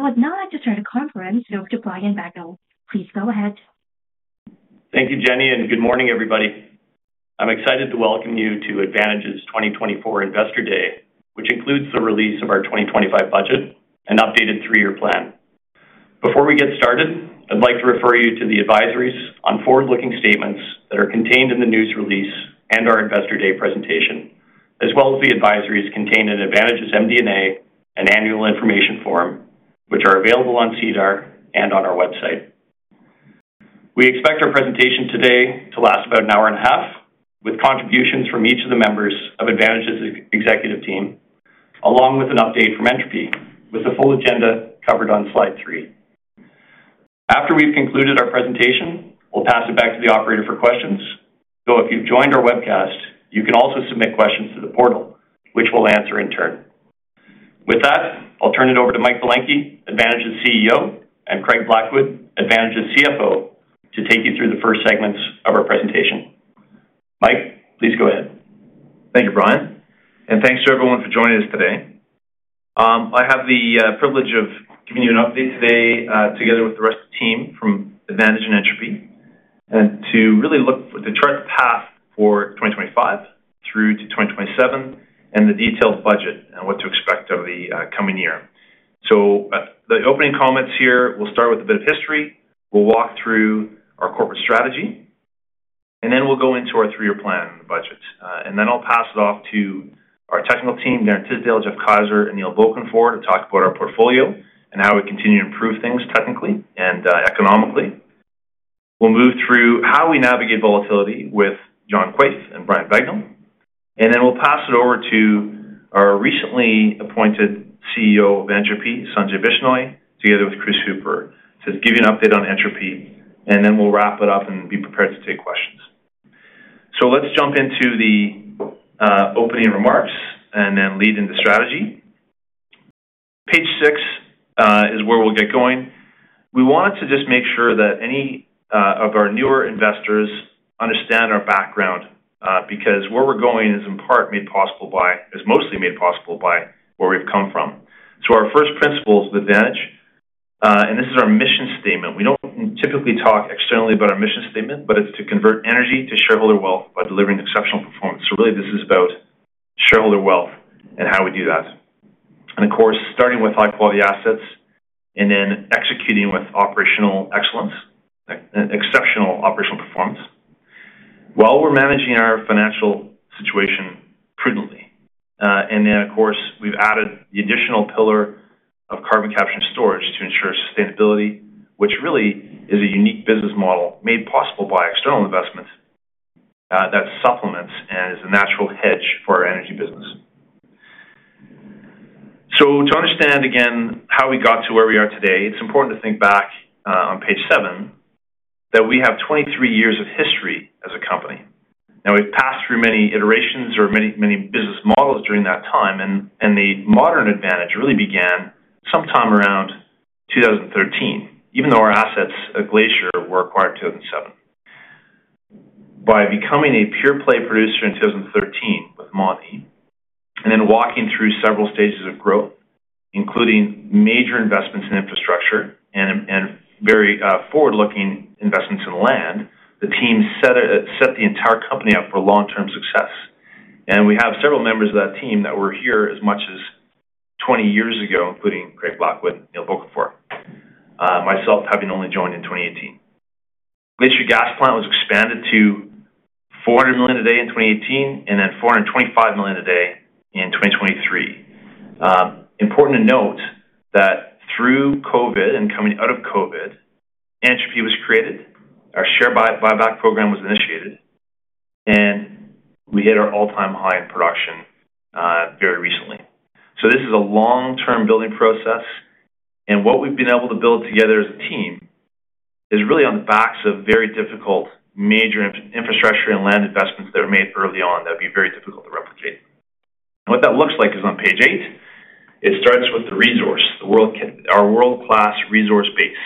I would now like to turn the conference over to Brian Bagnell. Please go ahead. Thank you, Jenny, and good morning, everybody. I'm excited to welcome you to Advantage's 2024 Investor Day, which includes the release of our 2025 budget and updated three-year plan. Before we get started, I'd like to refer you to the advisories on forward-looking statements that are contained in the news release and our Investor Day presentation, as well as the advisories contained in Advantage's MD&A and Annual Information Form, which are available on SEDAR and on our website. We expect our presentation today to last about an hour and a half, with contributions from each of the members of Advantage's executive team, along with an update from Entropy, with the full agenda covered on slide three. After we've concluded our presentation, we'll pass it back to the operator for questions. Though if you've joined our webcast, you can also submit questions to the portal, which we'll answer in turn. With that, I'll turn it over to Mike Belenkie, Advantage's CEO, and Craig Blackwood, Advantage's CFO, to take you through the first segments of our presentation. Mike, please go ahead. Thank you, Brian, and thanks to everyone for joining us today. I have the privilege of giving you an update today together with the rest of the team from Advantage and Entropy, and to really look to chart the path for 2025 through to 2027, and the detailed budget and what to expect over the coming year, so the opening comments here, we'll start with a bit of history. We'll walk through our corporate strategy, and then we'll go into our three-year plan and the budget, and then I'll pass it off to our technical team, Darren Tisdale, Geoff Keyser, and Neil Bokenfohr, to talk about our portfolio and how we continue to improve things technically and economically. We'll move through how we navigate volatility with John Quaife and Brian Bagnell, and then we'll pass it over to our recently appointed CEO of Entropy, Sanjay Bishnoi, together with Chris Hooper, to give you an update on Entropy, and then we'll wrap it up and be prepared to take questions. So let's jump into the opening remarks and then lead into strategy. Page six is where we'll get going. We wanted to just make sure that any of our newer investors understand our background, because where we're going is in part made possible by, is mostly made possible by where we've come from. So our first principle is Advantage, and this is our mission statement. We don't typically talk externally about our mission statement, but it's to convert energy to shareholder wealth by delivering exceptional performance. So really, this is about shareholder wealth and how we do that. And of course, starting with high-quality assets and then executing with operational excellence, exceptional operational performance, while we're managing our financial situation prudently. And then, of course, we've added the additional pillar of carbon capture and storage to ensure sustainability, which really is a unique business model made possible by external investments that supplements and is a natural hedge for our energy business. So to understand, again, how we got to where we are today, it's important to think back on page seven that we have 23 years of history as a company. Now, we've passed through many iterations or many, many business models during that time, and the modern Advantage really began sometime around 2013, even though our assets at Glacier were acquired in 2007. By becoming a pure-play producer in 2013 with Montney, and then walking through several stages of growth, including major investments in infrastructure and very forward-looking investments in land, the team set the entire company up for long-term success, and we have several members of that team that were here as much as 20 years ago, including Craig Blackwood, Neil Bokenfohr, myself having only joined in 2018. Glacier Gas Plant was expanded to 400 million a day in 2018 and then 425 million a day in 2023. Important to note that through COVID and coming out of COVID, Entropy was created, our share buyback program was initiated, and we hit our all-time high in production very recently. So this is a long-term building process, and what we've been able to build together as a team is really on the backs of very difficult major infrastructure and land investments that were made early on that would be very difficult to replicate. And what that looks like is on page eight. It starts with the resource, our world-class resource base.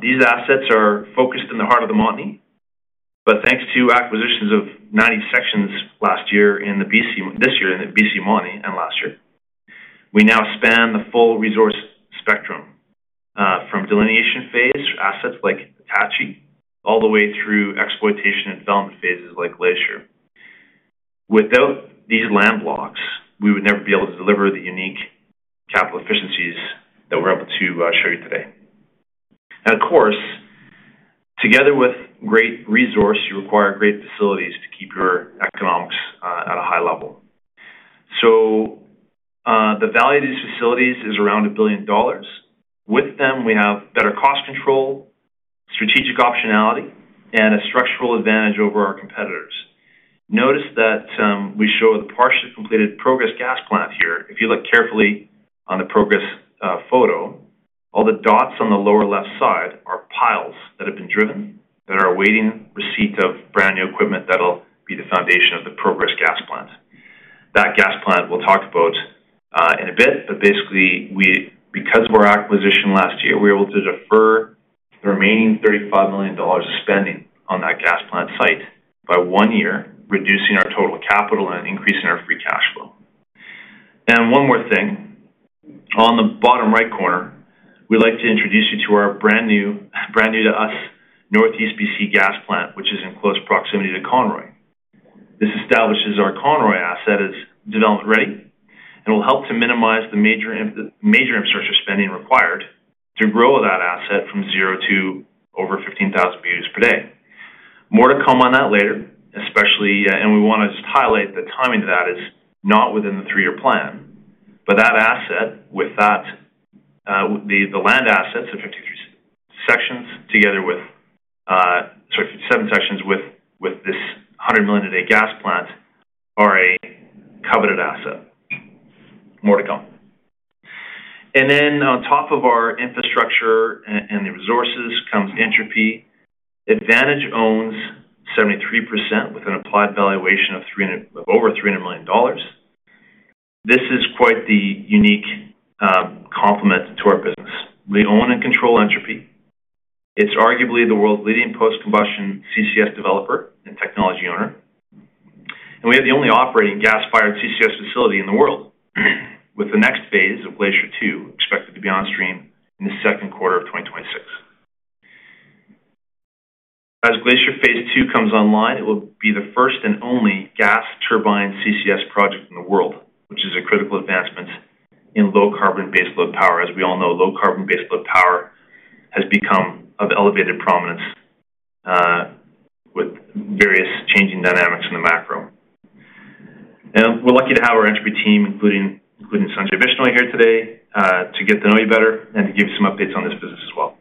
These assets are focused in the heart of the Montney, but thanks to acquisitions of 90 sections last year in the BC, this year in the BC Montney and last year, we now span the full resource spectrum from delineation phase for assets like Hitachi all the way through exploitation and development phases like Glacier. Without these land blocks, we would never be able to deliver the unique capital efficiencies that we're able to show you today. Of course, together with great resource, you require great facilities to keep your economics at a high level. So the value of these facilities is around 1 billion dollars. With them, we have better cost control, strategic optionality, and a structural advantage over our competitors. Notice that we show the partially completed Progress Gas Plant here. If you look carefully on the Progress photo, all the dots on the lower left side are piles that have been driven that are awaiting receipt of brand new equipment that'll be the foundation of the Progress Gas Plant. That gas plant we'll talk about in a bit, but basically, because of our acquisition last year, we were able to defer the remaining 35 million dollars of spending on that gas plant site by one year, reducing our total capital and increasing our free cash flow. And one more thing. On the bottom right corner, we'd like to introduce you to our brand new, brand new to us Northeast BC Gas Plant, which is in close proximity to Conroy. This establishes our Conroy asset as development ready, and it'll help to minimize the major infrastructure spending required to grow that asset from zero to over 15,000 BOEs per day. More to come on that later, especially, and we want to just highlight the timing of that is not within the three-year plan, but that asset with that, the land assets of 53 sections together with, sorry, 57 sections with this 100 MMcf/d gas plant are a coveted asset. More to come. And then on top of our infrastructure and the resources comes Entropy. Advantage owns 73% with an applied valuation of over 300 million dollars. This is quite the unique complement to our business. We own and control Entropy. It's arguably the world's leading post-combustion CCS developer and technology owner. And we have the only operating gas-fired CCS facility in the world, with the next phase of Glacier Phase 2 expected to be on stream in the second quarter of 2026. As Glacier Phase 2 comes online, it will be the first and only gas turbine CCS project in the world, which is a critical advancement in low-carbon baseload power. As we all know, low-carbon baseload power has become of elevated prominence with various changing dynamics in the macro. And we're lucky to have our Entropy team, including Sanjay Bishnoi here today, to get to know you better and to give you some updates on this business as well.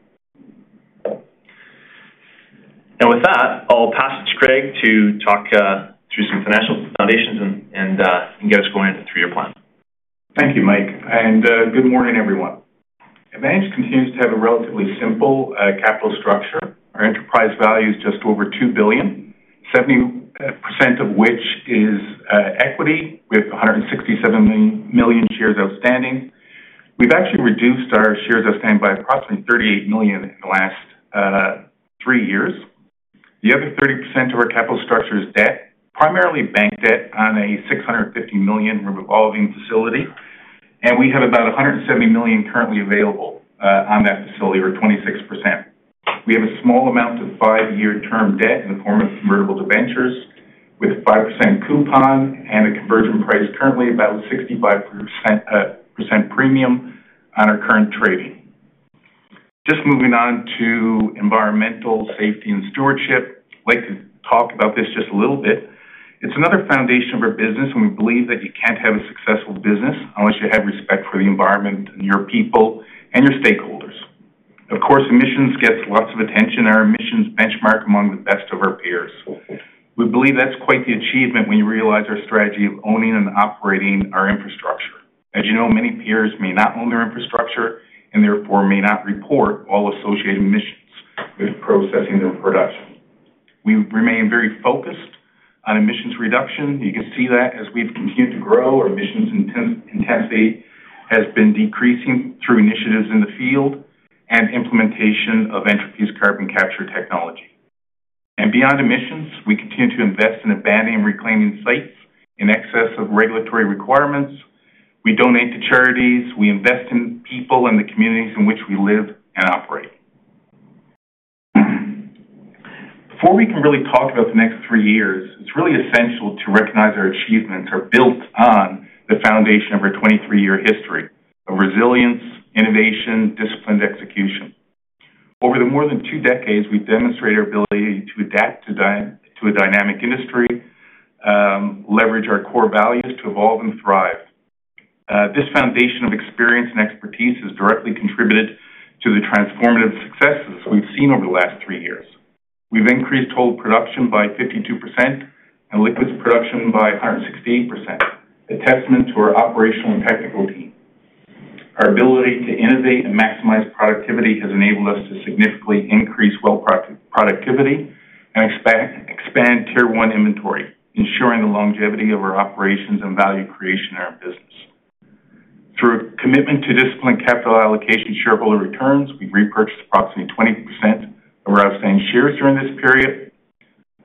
And with that, I'll pass it to Craig to talk through some financial foundations and get us going into the three-year plan. Thank you, Mike. And good morning, everyone. Advantage continues to have a relatively simple capital structure. Our enterprise value is just over 2 billion, 70% of which is equity with 167 million shares outstanding. We've actually reduced our shares outstanding by approximately 38 million in the last three years. The other 30% of our capital structure is debt, primarily bank debt on a 650 million revolving facility. And we have about 170 million currently available on that facility, or 26%. We have a small amount of five-year term debt in the form of convertible debentures with a 5% coupon and a conversion price currently about 65% premium on our current trading. Just moving on to environmental safety and stewardship, I'd like to talk about this just a little bit. It's another foundation of our business, and we believe that you can't have a successful business unless you have respect for the environment, your people, and your stakeholders. Of course, emissions get lots of attention, and our emissions benchmark among the best of our peers. We believe that's quite the achievement when you realize our strategy of owning and operating our infrastructure. As you know, many peers may not own their infrastructure and therefore may not report all associated emissions with processing their production. We remain very focused on emissions reduction. You can see that as we've continued to grow, our emissions intensity has been decreasing through initiatives in the field and implementation of Entropy's carbon capture technology. And beyond emissions, we continue to invest in abandoning and reclaiming sites in excess of regulatory requirements. We donate to charities. We invest in people and the communities in which we live and operate. Before we can really talk about the next three years, it's really essential to recognize our achievements are built on the foundation of our 23-year history of resilience, innovation, disciplined execution. Over the more than two decades, we've demonstrated our ability to adapt to a dynamic industry, leverage our core values to evolve and thrive. This foundation of experience and expertise has directly contributed to the transformative successes we've seen over the last three years. We've increased total production by 52% and liquids production by 168%, a testament to our operational and technical team. Our ability to innovate and maximize productivity has enabled us to significantly increase well productivity and expand Tier 1 inventory, ensuring the longevity of our operations and value creation in our business. Through a commitment to disciplined capital allocation shareholder returns, we've repurchased approximately 20% of our outstanding shares during this period.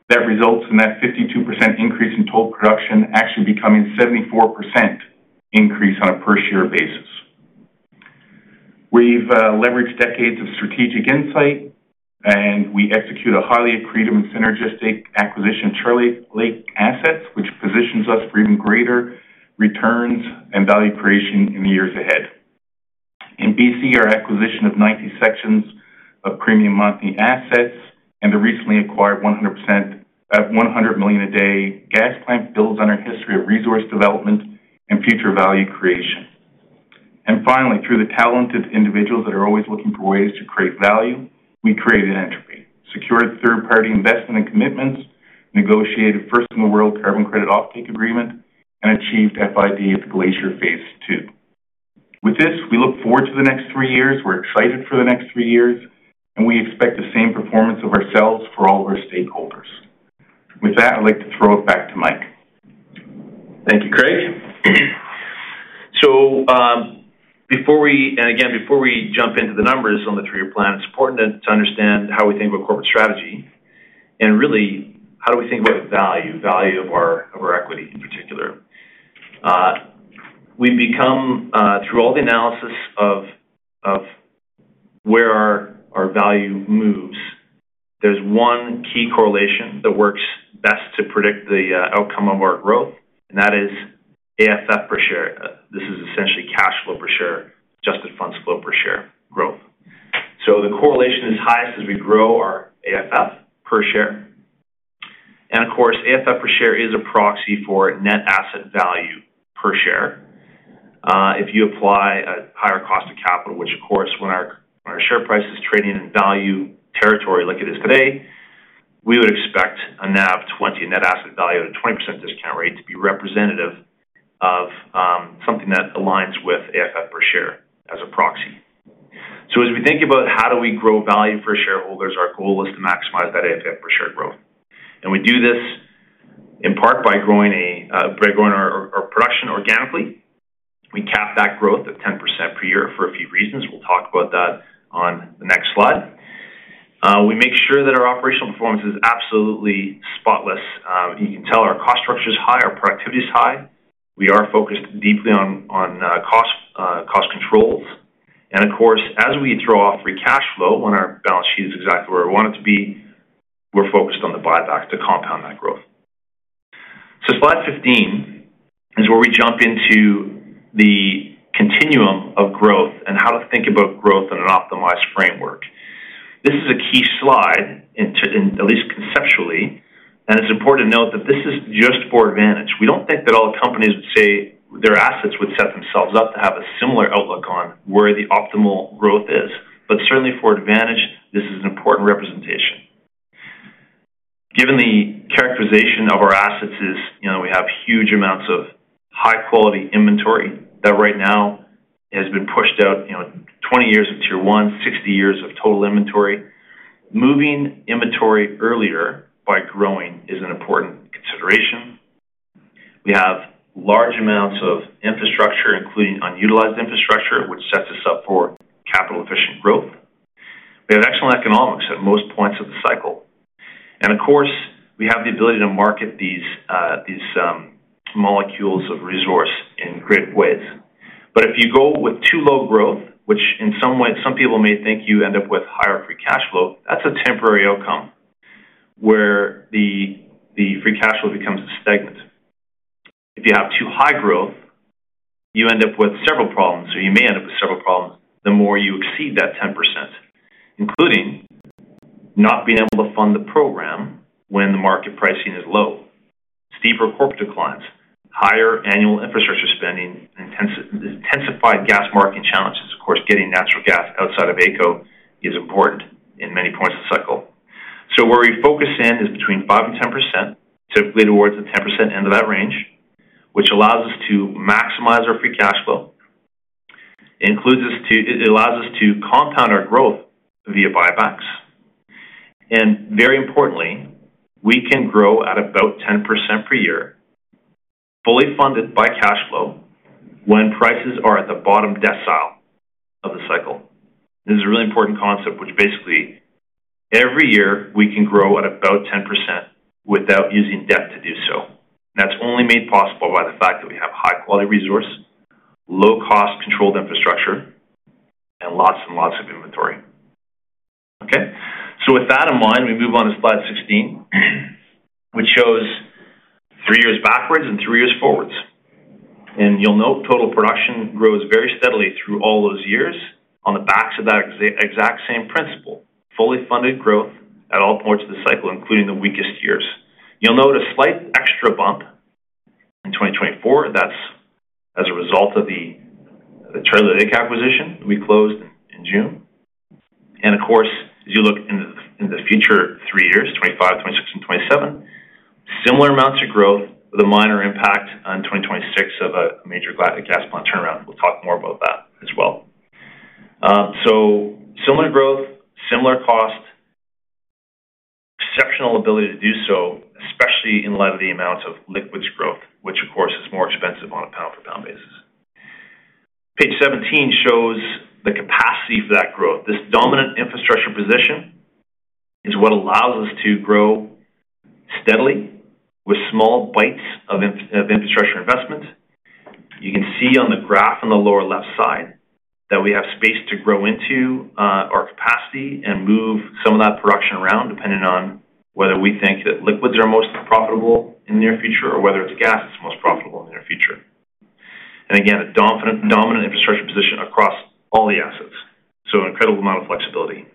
That results in that 52% increase in total production actually becoming a 74% increase on a per-share basis. We've leveraged decades of strategic insight, and we execute a highly accredited and synergistic acquisition of Charlie Lake assets, which positions us for even greater returns and value creation in the years ahead. In BC, our acquisition of 90 sections of premium Montney assets and the recently acquired 100 million a day gas plant builds on our history of resource development and future value creation. And finally, through the talented individuals that are always looking for ways to create value, we created Entropy, secured third-party investment and commitments, negotiated first in the world carbon credit offtake agreement, and achieved FID at the Glacier Phase 2. With this, we look forward to the next three years. We're excited for the next three years, and we expect the same performance of ourselves for all of our stakeholders. With that, I'd like to throw it back to Mike. Thank you, Craig. So before we jump into the numbers on the three-year plan, it is important to understand how we think about corporate strategy and really how we think about value, value of our equity in particular. We have become, through all the analysis of where our value moves, there is one key correlation that works best to predict the outcome of our growth, and that is AFF per share. This is essentially cash flow per share, adjusted funds flow per share growth. So the correlation is highest as we grow our AFF per share. And of course, AFF per share is a proxy for net asset value per share. If you apply a higher cost of capital, which of course, when our share price is trading in value territory like it is today, we would expect a NAV 20, net asset value at a 20% discount rate to be representative of something that aligns with AFF per share as a proxy. So as we think about how do we grow value for shareholders, our goal is to maximize that AFF per share growth. And we do this in part by growing our production organically. We cap that growth at 10% per year for a few reasons. We'll talk about that on the next slide. We make sure that our operational performance is absolutely spotless. You can tell our cost structure is high, our productivity is high. We are focused deeply on cost controls. Of course, as we throw off free cash flow when our balance sheet is exactly where we want it to be, we're focused on the buyback to compound that growth. Slide 15 is where we jump into the continuum of growth and how to think about growth in an optimized framework. This is a key slide, at least conceptually, and it's important to note that this is just for Advantage. We don't think that all companies would say their assets would set themselves up to have a similar outlook on where the optimal growth is, but certainly for Advantage, this is an important representation. Given the characterization of our assets is we have huge amounts of high-quality inventory that right now has been pushed out 20 years of Tier One, 60 years of total inventory. Moving inventory earlier by growing is an important consideration. We have large amounts of infrastructure, including unutilized infrastructure, which sets us up for capital-efficient growth. We have excellent economics at most points of the cycle. And of course, we have the ability to market these molecules of resource in great ways. But if you go with too low growth, which in some way, some people may think you end up with higher free cash flow, that's a temporary outcome where the free cash flow becomes stagnant. If you have too high growth, you end up with several problems, or you may end up with several problems the more you exceed that 10%, including not being able to fund the program when the market pricing is low, steeper corporate declines, higher annual infrastructure spending, and intensified gas marketing challenges. Of course, getting natural gas outside of AECO is important in many points of the cycle. So where we focus in is between 5%-10%, typically towards the 10% end of that range, which allows us to maximize our free cash flow. It allows us to compound our growth via buybacks. And very importantly, we can grow at about 10% per year, fully funded by cash flow when prices are at the bottom decile of the cycle. This is a really important concept, which basically every year we can grow at about 10% without using debt to do so. That's only made possible by the fact that we have high-quality resource, low-cost controlled infrastructure, and lots and lots of inventory. Okay. So with that in mind, we move on to slide 16, which shows three years backwards and three years forwards. You'll note total production grows very steadily through all those years on the backs of that exact same principle, fully funded growth at all points of the cycle, including the weakest years. You'll note a slight extra bump in 2024. That's as a result of the Charlie Lake acquisition we closed in June. Of course, as you look into the future three years, 2025, 2026, and 2027, similar amounts of growth with a minor impact on 2026 of a major gas plant turnaround. We'll talk more about that as well. Similar growth, similar cost, exceptional ability to do so, especially in light of the amount of liquids growth, which of course is more expensive on a pound-for-pound basis. Page 17 shows the capacity for that growth. This dominant infrastructure position is what allows us to grow steadily with small bites of infrastructure investment. You can see on the graph on the lower left side that we have space to grow into our capacity and move some of that production around depending on whether we think that liquids are most profitable in the near future or whether it's gas that's most profitable in the near future. And again, a dominant infrastructure position across all the assets. So an incredible amount of flexibility.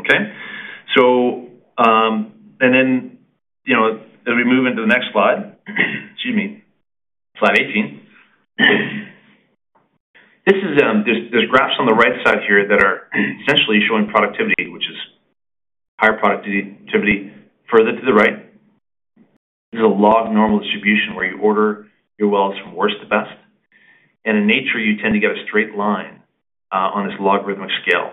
Okay. And then as we move into the next slide, excuse me, slide 18, there's graphs on the right side here that are essentially showing productivity, which is higher productivity further to the right. This is a log normal distribution where you order your wells from worst to best. And in nature, you tend to get a straight line on this logarithmic scale.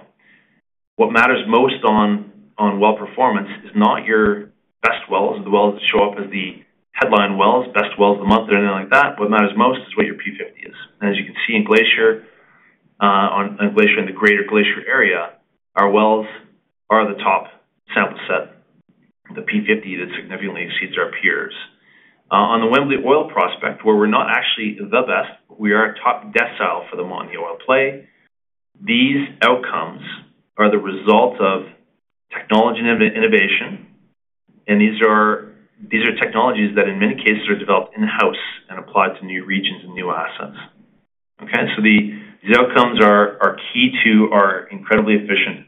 What matters most on well performance is not your best wells, the wells that show up as the headline wells, best wells of the month, or anything like that. What matters most is what your P50 is, and as you can see in Glacier, on Glacier in the greater Glacier area, our wells are the top sample set, the P50 that significantly exceeds our peers. On the Wembley Oil Prospect, where we're not actually the best, we are at top decile for the Montney Oil play. These outcomes are the result of technology and innovation, and these are technologies that in many cases are developed in-house and applied to new regions and new assets. Okay, so these outcomes are key to our incredibly efficient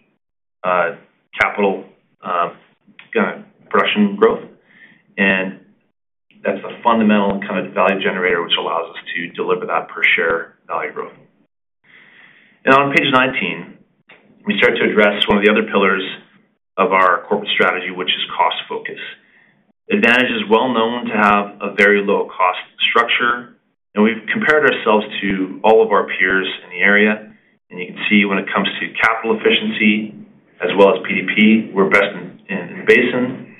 capital production growth, and that's the fundamental kind of value generator, which allows us to deliver that per share value growth. And on page 19, we start to address one of the other pillars of our corporate strategy, which is cost focus. Advantage is well known to have a very low cost structure. And we've compared ourselves to all of our peers in the area. And you can see when it comes to capital efficiency as well as PDP, we're best in the basin.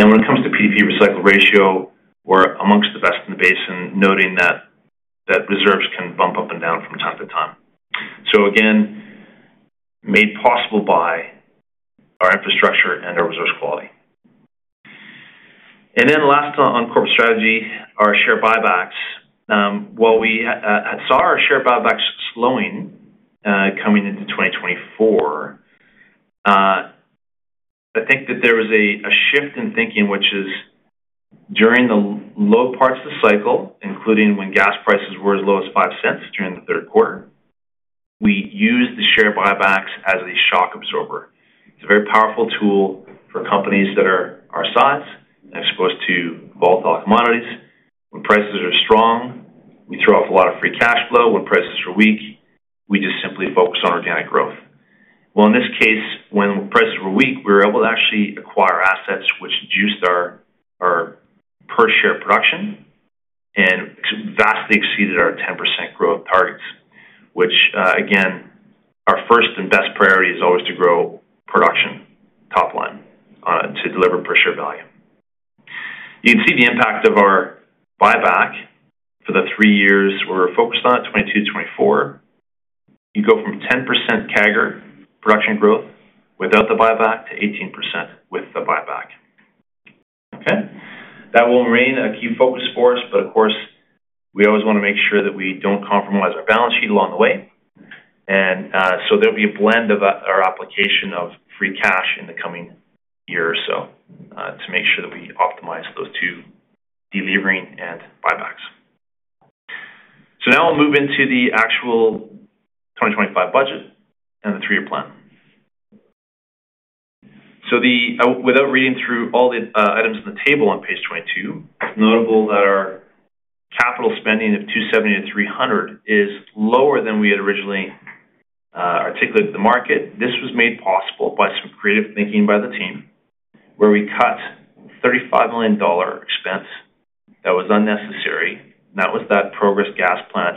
And when it comes to PDP recycled ratio, we're amongst the best in the basin, noting that reserves can bump up and down from time to time. So again, made possible by our infrastructure and our resource quality. And then last on corporate strategy, our share buybacks. While we saw our share buybacks slowing coming into 2024, I think that there was a shift in thinking, which is during the low parts of the cycle, including when gas prices were as low as 0.05 during the third quarter, we use the share buybacks as a shock absorber. It's a very powerful tool for companies that are our size and exposed to volatile commodities. When prices are strong, we throw off a lot of free cash flow. When prices are weak, we just simply focus on organic growth. Well, in this case, when prices were weak, we were able to actually acquire assets, which juiced our per share production and vastly exceeded our 10% growth targets, which again, our first and best priority is always to grow production top line to deliver per share value. You can see the impact of our buyback for the three years we're focused on, 2022, 2024. You go from 10% CAGR production growth without the buyback to 18% with the buyback. Okay. That will remain a key focus for us, but of course, we always want to make sure that we don't compromise our balance sheet along the way. And so there'll be a blend of our application of free cash in the coming year or so to make sure that we optimize those two delivering and buybacks. So now we'll move into the actual 2025 budget and the three-year plan. So without reading through all the items on the table on page 22, it's notable that our capital spending of 270-300 is lower than we had originally articulated to the market. This was made possible by some creative thinking by the team, where we cut 35 million dollar expense that was unnecessary. And that was that Progress Gas Plant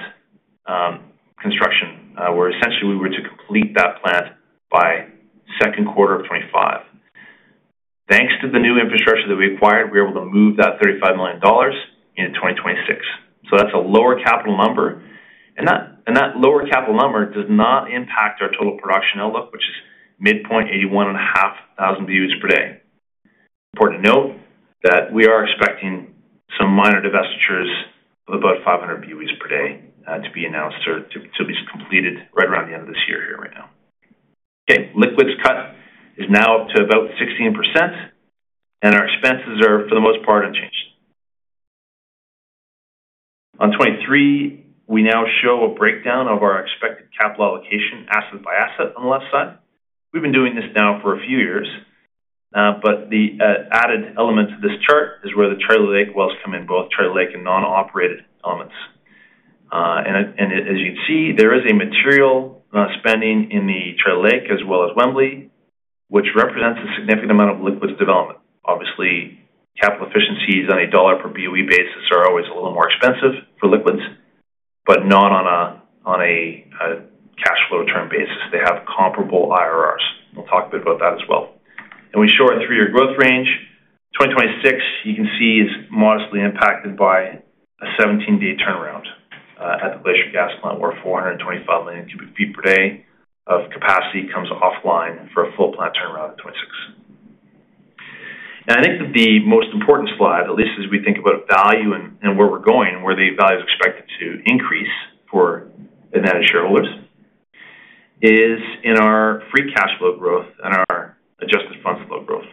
construction, where essentially we were to complete that plant by second quarter of 2025. Thanks to the new infrastructure that we acquired, we were able to move that 35 million dollars into 2026. So that's a lower capital number. And that lower capital number does not impact our total production outlook, which is midpoint 81 and a half thousand BOE per day. Important to note that we are expecting some minor divestitures of about 500 BOE per day to be announced or to be completed right around the end of this year here right now. Okay. Liquids cut is now up to about 16%, and our expenses are for the most part unchanged. On 23, we now show a breakdown of our expected capital allocation asset by asset on the left side. We've been doing this now for a few years, but the added element to this chart is where the Charlie Lake wells come in, both Charlie Lake and non-operated elements. And as you can see, there is a material spending in the Charlie Lake as well as Wembley, which represents a significant amount of liquids development. Obviously, capital efficiencies on a dollar per BOE basis are always a little more expensive for liquids, but not on a cash flow term basis. They have comparable IRRs. We'll talk a bit about that as well. And we show our three-year growth range. 2026, you can see, is modestly impacted by a 17-day turnaround at the Glacier Gas Plant where 425 million cubic feet per day of capacity comes offline for a full plant turnaround in 2026. I think that the most important slide, at least as we think about value and where we're going, where the value is expected to increase for Advantage shareholders, is in our free cash flow growth and our Adjusted Funds Flow growth.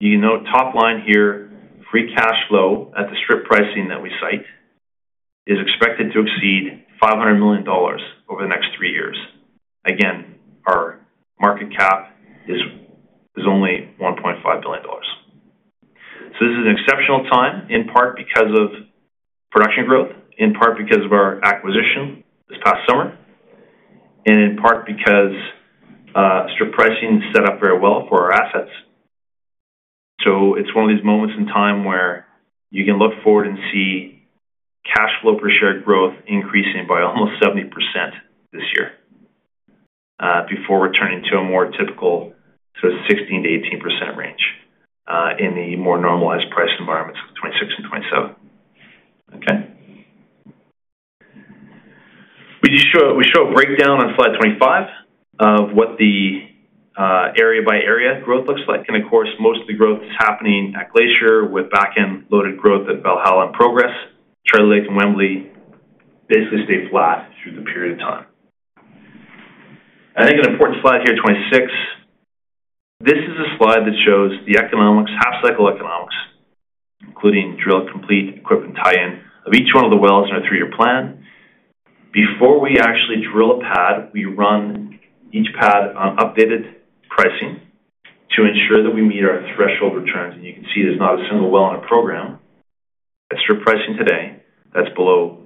You can note top line here, free cash flow at the strip pricing that we cite is expected to exceed 500 million dollars over the next three years. Again, our market cap is only 1.5 billion dollars. This is an exceptional time, in part because of production growth, in part because of our acquisition this past summer, and in part because strip pricing is set up very well for our assets. So it's one of these moments in time where you can look forward and see cash flow per share growth increasing by almost 70% this year before returning to a more typical sort of 16%-18% range in the more normalized price environments of 2026 and 2027. Okay. We show a breakdown on slide 25 of what the area-by-area growth looks like. And of course, most of the growth is happening at Glacier with back-end loaded growth at Valhalla and Progress. Charlie Lake and Wembley basically stay flat through the period of time. I think an important slide here, 2026. This is a slide that shows the economics, half-cycle economics, including drill complete, equipment tie-in of each one of the wells in our three-year plan. Before we actually drill a pad, we run each pad on updated pricing to ensure that we meet our threshold returns. You can see there's not a single well in the program at strip pricing today that's below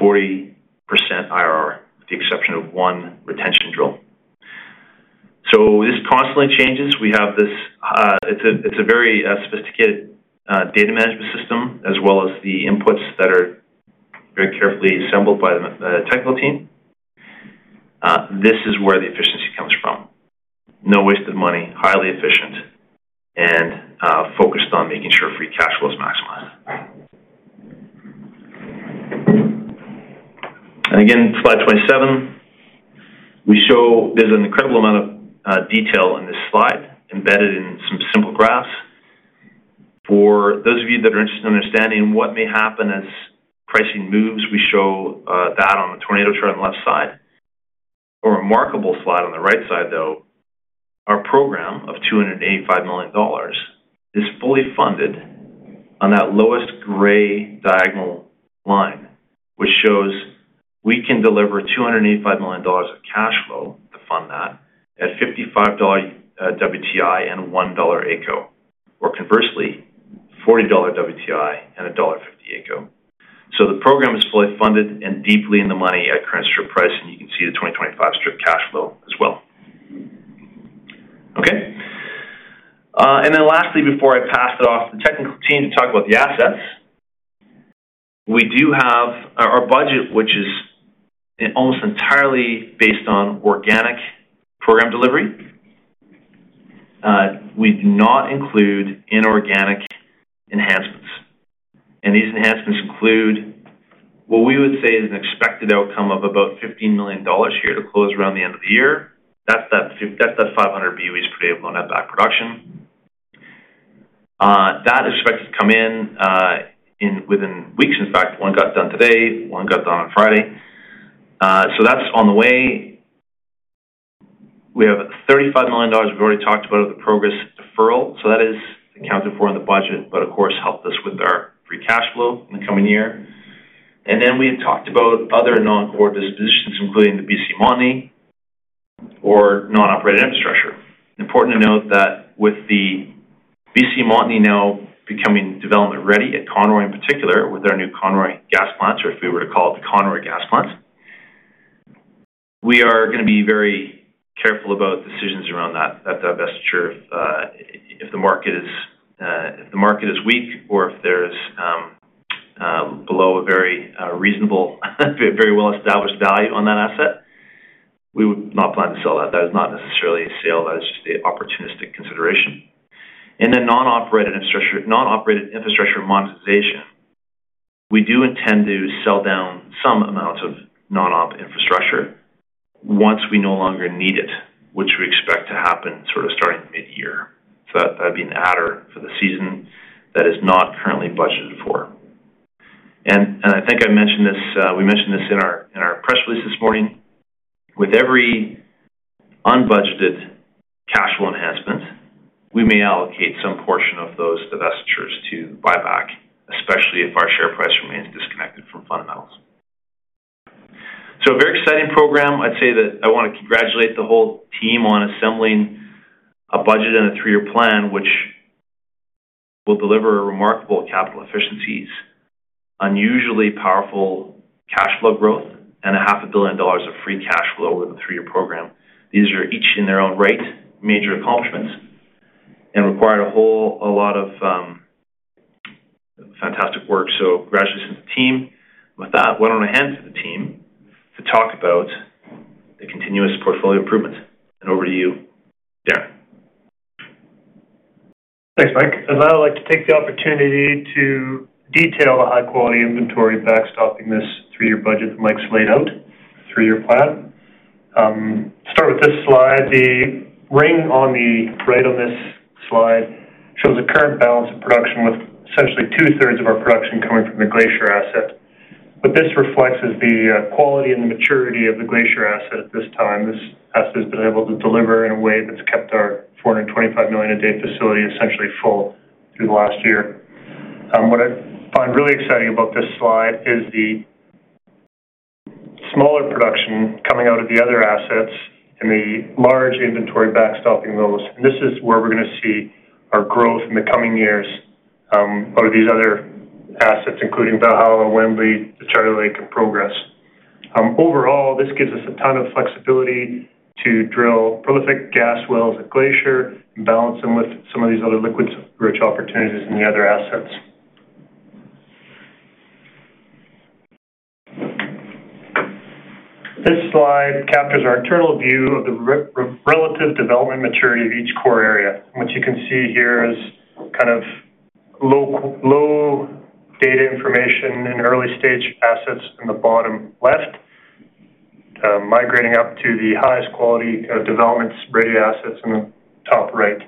40% IRR, with the exception of one retention drill. This constantly changes. We have this. It's a very sophisticated data management system as well as the inputs that are very carefully assembled by the technical team. This is where the efficiency comes from. No waste of money, highly efficient, and focused on making sure free cash flow is maximized. Again, slide 27, there's an incredible amount of detail in this slide embedded in some simple graphs. For those of you that are interested in understanding what may happen as pricing moves, we show that on the tornado chart on the left side. A remarkable slide on the right side, though. Our program of $285 million is fully funded on that lowest gray diagonal line, which shows we can deliver $285 million of cash flow to fund that at $55 WTI and $1 AECO, or conversely, $40 WTI and $1.50 AECO. So the program is fully funded and deeply in the money at current strip price. And you can see the 2025 strip cash flow as well. Okay. And then lastly, before I pass it off to the technical team to talk about the assets, we do have our budget, which is almost entirely based on organic program delivery. We do not include inorganic enhancements. And these enhancements include what we would say is an expected outcome of about $15 million here to close around the end of the year. That's that 500 BOEs per day of going out back production. That is expected to come in within weeks. In fact, one got done today, one got done on Friday. So that's on the way. We have 35 million dollars. We've already talked about the Progress deferral. So that is accounted for in the budget, but of course, helped us with our free cash flow in the coming year. And then we had talked about other non-core dispositions, including the BC Montney or non-operated infrastructure. Important to note that with the BC Montney now becoming development-ready at Conroy in particular, with our new Conroy gas plants, or if we were to call it the Conroy gas plants, we are going to be very careful about decisions around that divestiture. If the market is weak or if there's below a very reasonable, very well-established value on that asset, we would not plan to sell that. That is not necessarily a sale. That is just an opportunistic consideration, and then non-operated infrastructure monetization, we do intend to sell down some amounts of non-op infrastructure once we no longer need it, which we expect to happen sort of starting mid-year, so that'd be an adder for the season that is not currently budgeted for, and I think I mentioned this. We mentioned this in our press release this morning. With every unbudgeted cash flow enhancement, we may allocate some portion of those divestitures to buyback, especially if our share price remains disconnected from fundamentals, so a very exciting program. I'd say that I want to congratulate the whole team on assembling a budget and a three-year plan, which will deliver remarkable capital efficiencies, unusually powerful cash flow growth, and 500 million dollars of free cash flow with the three-year program. These are each in their own right major accomplishments and required a whole lot of fantastic work. So congratulations to the team with that. Went on ahead to the team to talk about the continuous portfolio improvement. And over to you, Darren. Thanks, Mike. And I'd like to take the opportunity to detail the high-quality inventory backstopping this three-year budget that Mike's laid out, the three-year plan. Start with this slide. The ring on the right on this slide shows the current balance of production, with essentially two-thirds of our production coming from the Glacier asset. But this reflects the quality and the maturity of the Glacier asset at this time. This asset has been able to deliver in a way that's kept our 425 million a day facility essentially full through the last year. What I find really exciting about this slide is the smaller production coming out of the other assets and the large inventory backstopping those, and this is where we're going to see our growth in the coming years out of these other assets, including Valhalla and Wembley, the Charlie Lake, and Progress. Overall, this gives us a ton of flexibility to drill prolific gas wells at Glacier and balance them with some of these other liquids rich opportunities in the other assets. This slide captures our internal view of the relative development maturity of each core area, which you can see here as kind of low data information in early-stage assets in the bottom left, migrating up to the highest quality development rated assets in the top right.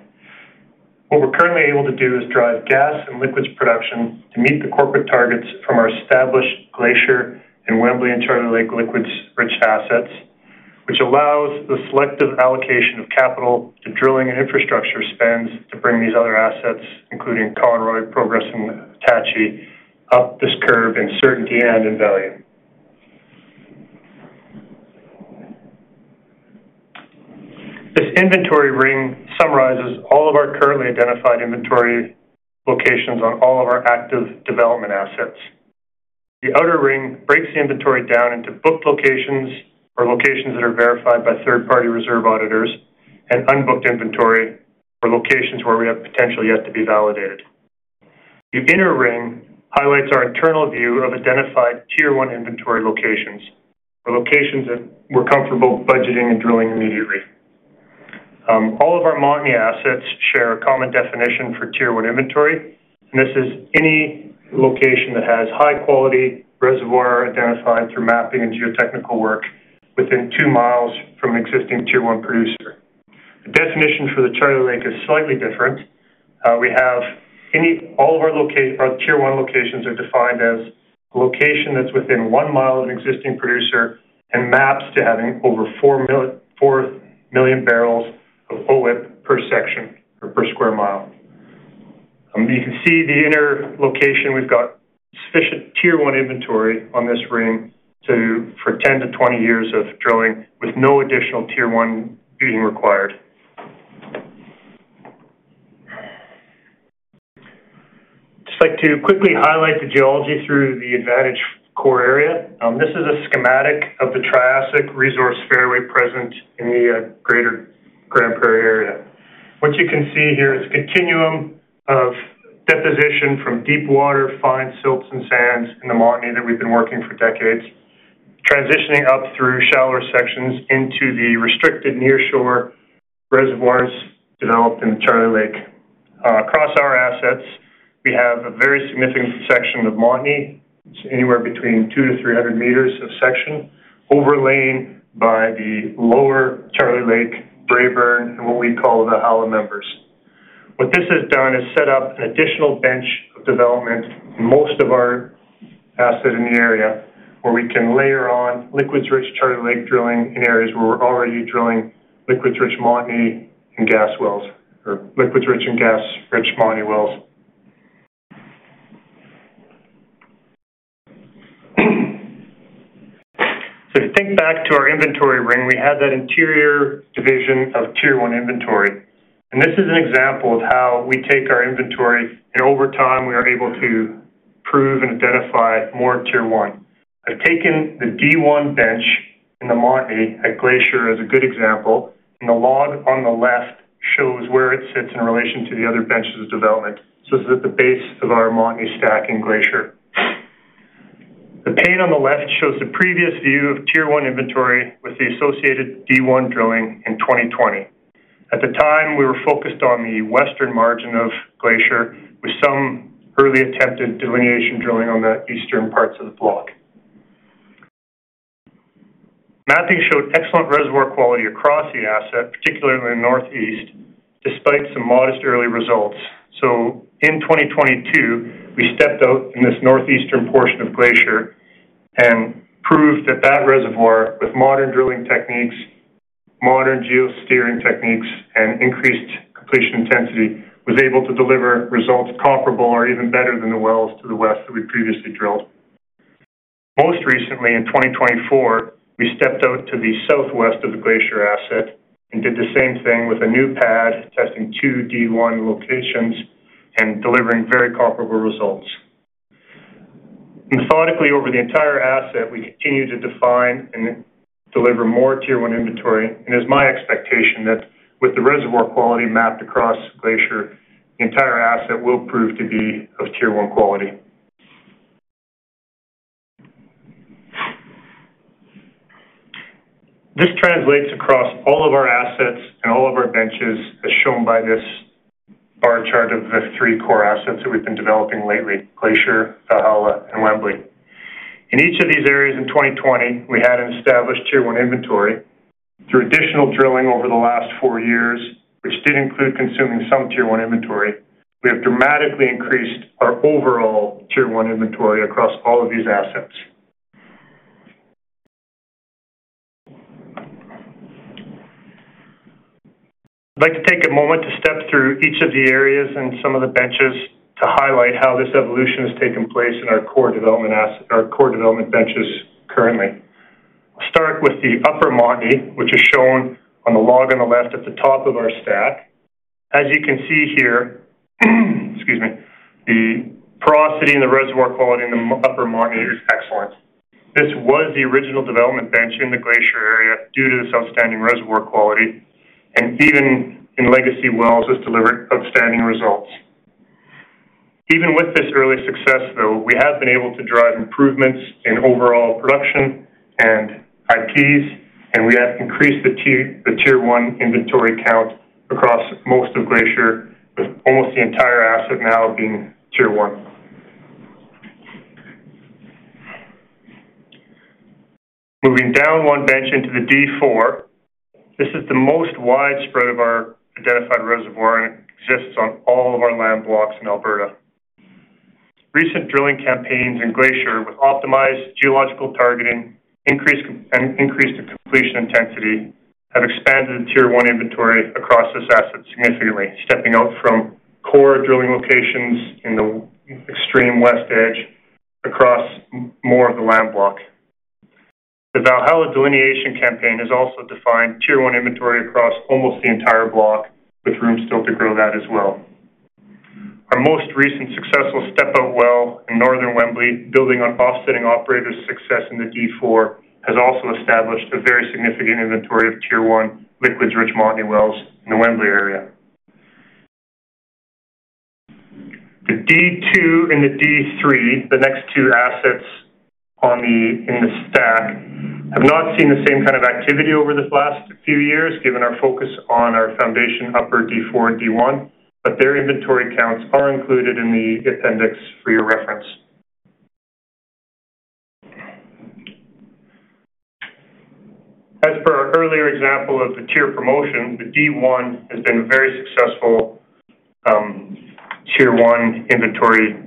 What we're currently able to do is drive gas and liquids production to meet the corporate targets from our established Glacier and Wembley and Charlie Lake liquids rich assets, which allows the selective allocation of capital to drilling and infrastructure spends to bring these other assets, including Conroy, Progress, and Hitachi, up this curve in certainty and in value. This inventory ring summarizes all of our currently identified inventory locations on all of our active development assets. The outer ring breaks the inventory down into booked locations or locations that are verified by third-party reserve auditors and unbooked inventory or locations where we have potential yet to be validated. The inner ring highlights our internal view of identified Tier One inventory locations or locations that we're comfortable budgeting and drilling immediately. All of our Montney assets share a common definition for Tier One inventory. And this is any location that has high-quality reservoir identified through mapping and geotechnical work within two miles from an existing Tier One producer. The definition for the Charlie Lake is slightly different. We have all of our Tier One locations are defined as a location that's within one mile of an existing producer and maps to having over four million barrels of OIP per section or per square mile. You can see the inner location. We've got sufficient Tier One inventory on this ring for 10 to 20 years of drilling with no additional Tier One being required. Just like to quickly highlight the geology through the Advantage core area. This is a schematic of the Triassic resource fairway present in the greater Grand Prairie area. What you can see here is a continuum of deposition from deep water, fine silts, and sands in the Montney that we've been working for decades, transitioning up through shallower sections into the restricted nearshore reservoirs developed in the Charlie Lake. Across our assets, we have a very significant section of Montney. It's anywhere between 200-300 meters of section overlain by the lower Charlie Lake, Braeburn, and what we call the Valhalla members. What this has done is set up an additional bench of development in most of our assets in the area where we can layer on liquids rich Charlie Lake drilling in areas where we're already drilling liquids rich Montney and gas wells or liquids rich and gas rich Montney wells. So if you think back to our inventory ranking, we had that interior division of Tier One inventory. This is an example of how we take our inventory and over time we are able to prove and identify more Tier One. I've taken the D1 bench in the Montney at Glacier as a good example. The log on the left shows where it sits in relation to the other benches of development. This is at the base of our Montney stack in Glacier. The pane on the left shows the previous view of Tier One inventory with the associated D1 drilling in 2020. At the time, we were focused on the western margin of Glacier with some early attempted delineation drilling on the eastern parts of the block. Mapping showed excellent reservoir quality across the asset, particularly in the northeast, despite some modest early results. In 2022, we stepped out in this northeastern portion of Glacier and proved that that reservoir with modern drilling techniques, modern geo-steering techniques, and increased completion intensity was able to deliver results comparable or even better than the wells to the west that we previously drilled. Most recently, in 2024, we stepped out to the southwest of the Glacier asset and did the same thing with a new pad testing two D1 locations and delivering very comparable results. Methodically, over the entire asset, we continue to define and deliver more Tier One inventory. It's my expectation that with the reservoir quality mapped across Glacier, the entire asset will prove to be of Tier One quality. This translates across all of our assets and all of our benches as shown by this bar chart of the three core assets that we've been developing lately: Glacier, Valhalla, and Wembley. In each of these areas in 2020, we had an established Tier One inventory. Through additional drilling over the last four years, which did include consuming some Tier One inventory, we have dramatically increased our overall Tier One inventory across all of these assets. I'd like to take a moment to step through each of the areas and some of the benches to highlight how this evolution has taken place in our core development benches currently. I'll start with the upper Montney, which is shown on the log on the left at the top of our stack. As you can see here, excuse me, the porosity and the reservoir quality in the upper Montney is excellent. This was the original development bench in the Glacier area due to this outstanding reservoir quality, and even in legacy wells, this delivered outstanding results. Even with this early success, though, we have been able to drive improvements in overall production and IPs. And we have increased the tier one inventory count across most of Glacier, with almost the entire asset now being tier one. Moving down one bench into the D4, this is the most widespread of our identified reservoir, and it exists on all of our land blocks in Alberta. Recent drilling campaigns in Glacier with optimized geological targeting and increased completion intensity have expanded the tier one inventory across this asset significantly, stepping out from core drilling locations in the extreme west edge across more of the land block. The Valhalla delineation campaign has also defined tier one inventory across almost the entire block, with room still to grow that as well. Our most recent successful step-out well in northern Wembley, building on offsetting operators' success in the D4, has also established a very significant inventory of tier one liquids rich Montney wells in the Wembley area. The D2 and the D3, the next two assets in the stack, have not seen the same kind of activity over this last few years, given our focus on our foundation upper D4, D1, but their inventory counts are included in the appendix for your reference. As per our earlier example of the tier promotion, the D1 has been a very successful tier one inventory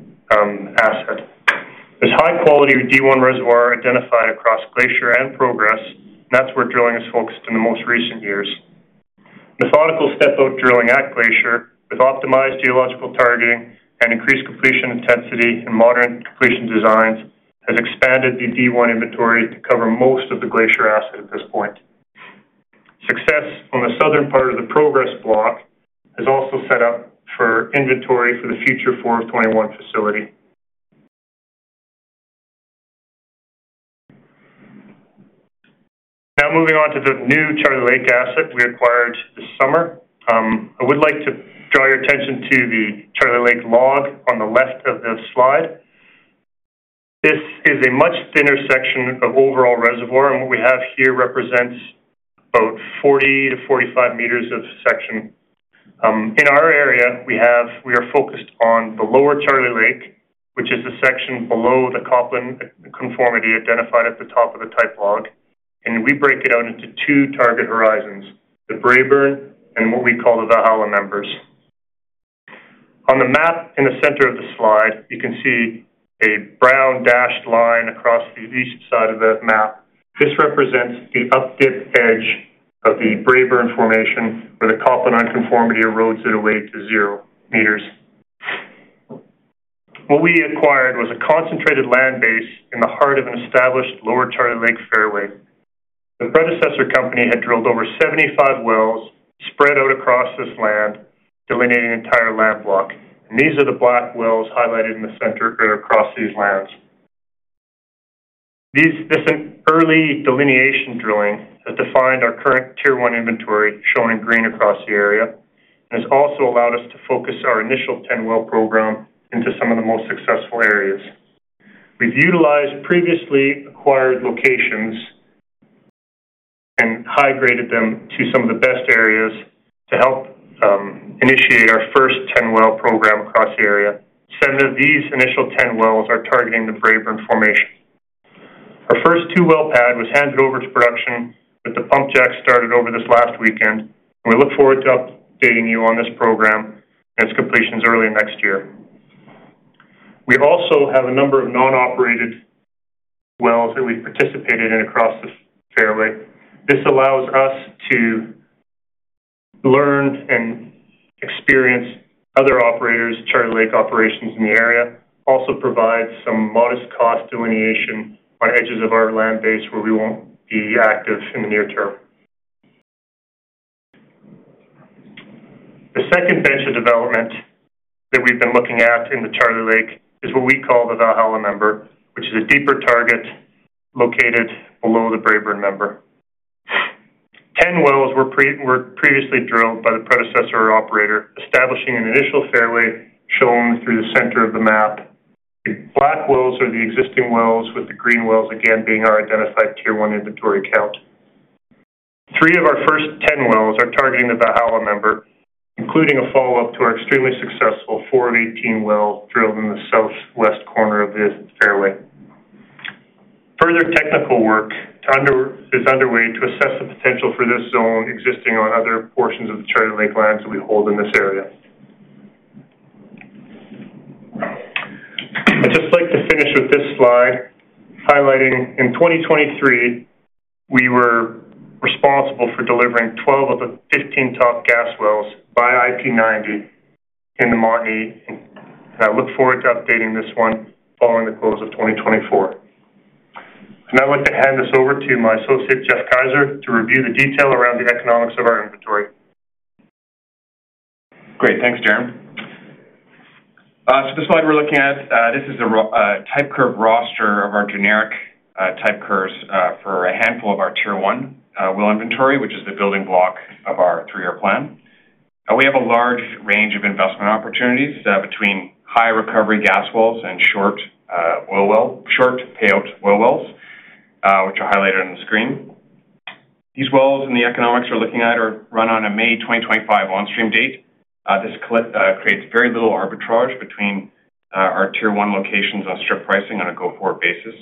asset. There's high quality D1 reservoir identified across Glacier and Progress, and that's where drilling is focused in the most recent years. Methodical step-out drilling at Glacier with optimized geological targeting and increased completion intensity and modern completion designs has expanded the D1 inventory to cover most of the Glacier asset at this point. Success on the southern part of the Progress block has also set up for inventory for the future 421 facility. Now moving on to the new Charlie Lake asset we acquired this summer, I would like to draw your attention to the Charlie Lake log on the left of the slide. This is a much thinner section of overall reservoir, and what we have here represents about 40-45 meters of section. In our area, we are focused on the lower Charlie Lake, which is the section below the Coplin unconformity identified at the top of the type log, and we break it out into two target horizons: the Braeburn and what we call the Valhalla members. On the map in the center of the slide, you can see a brown dashed line across the east side of the map. This represents the updip edge of the Braeburn formation where the Coplin unconformity erodes it away to zero meters. What we acquired was a concentrated land base in the heart of an established lower Charlie Lake fairway. The predecessor company had drilled over 75 wells spread out across this land, delineating the entire land block, and these are the black wells highlighted in the center across these lands. This early delineation drilling has defined our current Tier One inventory shown in green across the area and has also allowed us to focus our initial 10-well program into some of the most successful areas. We've utilized previously acquired locations and high-graded them to some of the best areas to help initiate our first 10-well program across the area. Seven of these initial 10 wells are targeting the Braeburn formation. Our first two-well pad was handed over to production with the pump jacks started over this last weekend. We look forward to updating you on this program and its completions early next year. We also have a number of non-operated wells that we've participated in across this fairway. This allows us to learn and experience other operators, Charlie Lake operations in the area. Also provides some modest cost delineation on edges of our land base where we won't be active in the near term. The second bench of development that we've been looking at in the Charlie Lake is what we call the Valhalla member, which is a deeper target located below the Braeburn member. 10 wells were previously drilled by the predecessor operator, establishing an initial fairway shown through the center of the map. The black wells are the existing wells, with the green wells again being our identified Tier One inventory count. Three of our first 10 wells are targeting the Valhalla member, including a follow-up to our extremely successful 4 of 18 wells drilled in the southwest corner of the fairway. Further technical work is underway to assess the potential for this zone existing on other portions of the Charlie Lake lands that we hold in this area. I'd just like to finish with this slide highlighting in 2023, we were responsible for delivering 12 of the 15 top gas wells by IP90 in the Montney. And I look forward to updating this one following the close of 2024. And I'd like to hand this over to my associate, Geoff Keyser, to review the detail around the economics of our inventory. Great. Thanks, Darren. So the slide we're looking at, this is the type curve roster of our generic type curves for a handful of our Tier One well inventory, which is the building block of our three-year plan. We have a large range of investment opportunities between high recovery gas wells and short payout oil wells, which are highlighted on the screen. These wells and the economics we're looking at are run on a May 2025 on-stream date. This creates very little arbitrage between our Tier One locations on strip pricing on a go-forward basis.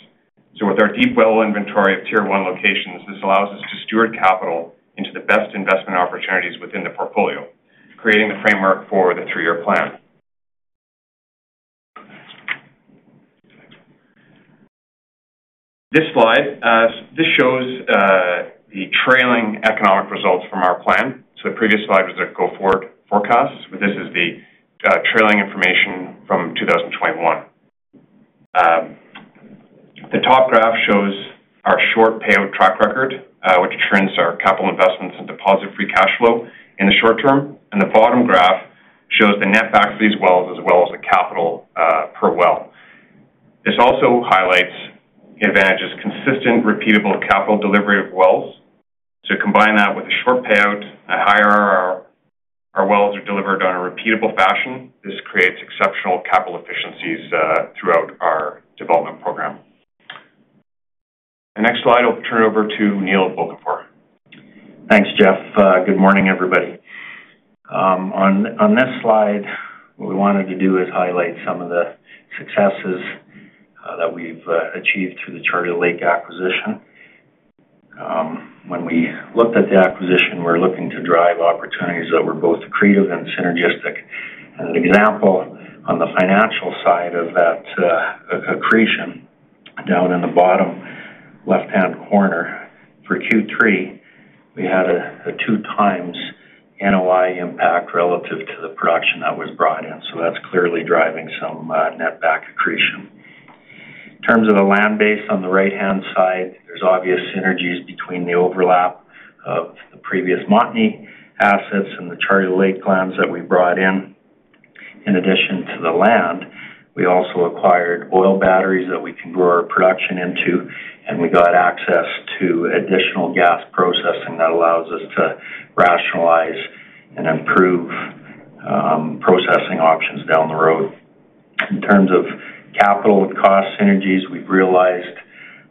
So with our deep well inventory of Tier One locations, this allows us to steward capital into the best investment opportunities within the portfolio, creating the framework for the three-year plan. This slide shows the trailing economic results from our plan. The previous slide was the go-forward forecast, but this is the trailing information from 2021. The top graph shows our short payout track record, which trends our capital investments and debt-free cash flow in the short term. The bottom graph shows the netback per well as well as the capital per well. This also highlights Advantage's consistent, repeatable capital delivery of wells. Combine that with a short payout and higher RRR, our wells are delivered on a repeatable fashion. This creates exceptional capital efficiencies throughout our development program. For the next slide, I'll turn it over to Neil Bokenfohr. Thanks, Geoff. Good morning, everybody. On this slide, what we wanted to do is highlight some of the successes that we've achieved through the Charlie Lake acquisition. When we looked at the acquisition, we're looking to drive opportunities that were both creative and synergistic. And an example on the financial side of that accretion down in the bottom left-hand corner for Q3, we had a two-times NOI impact relative to the production that was brought in. So that's clearly driving some net back accretion. In terms of the land base on the right-hand side, there's obvious synergies between the overlap of the previous Montney assets and the Charlie Lake lands that we brought in. In addition to the land, we also acquired oil batteries that we can grow our production into, and we got access to additional gas processing that allows us to rationalize and improve processing options down the road. In terms of capital and cost synergies, we've realized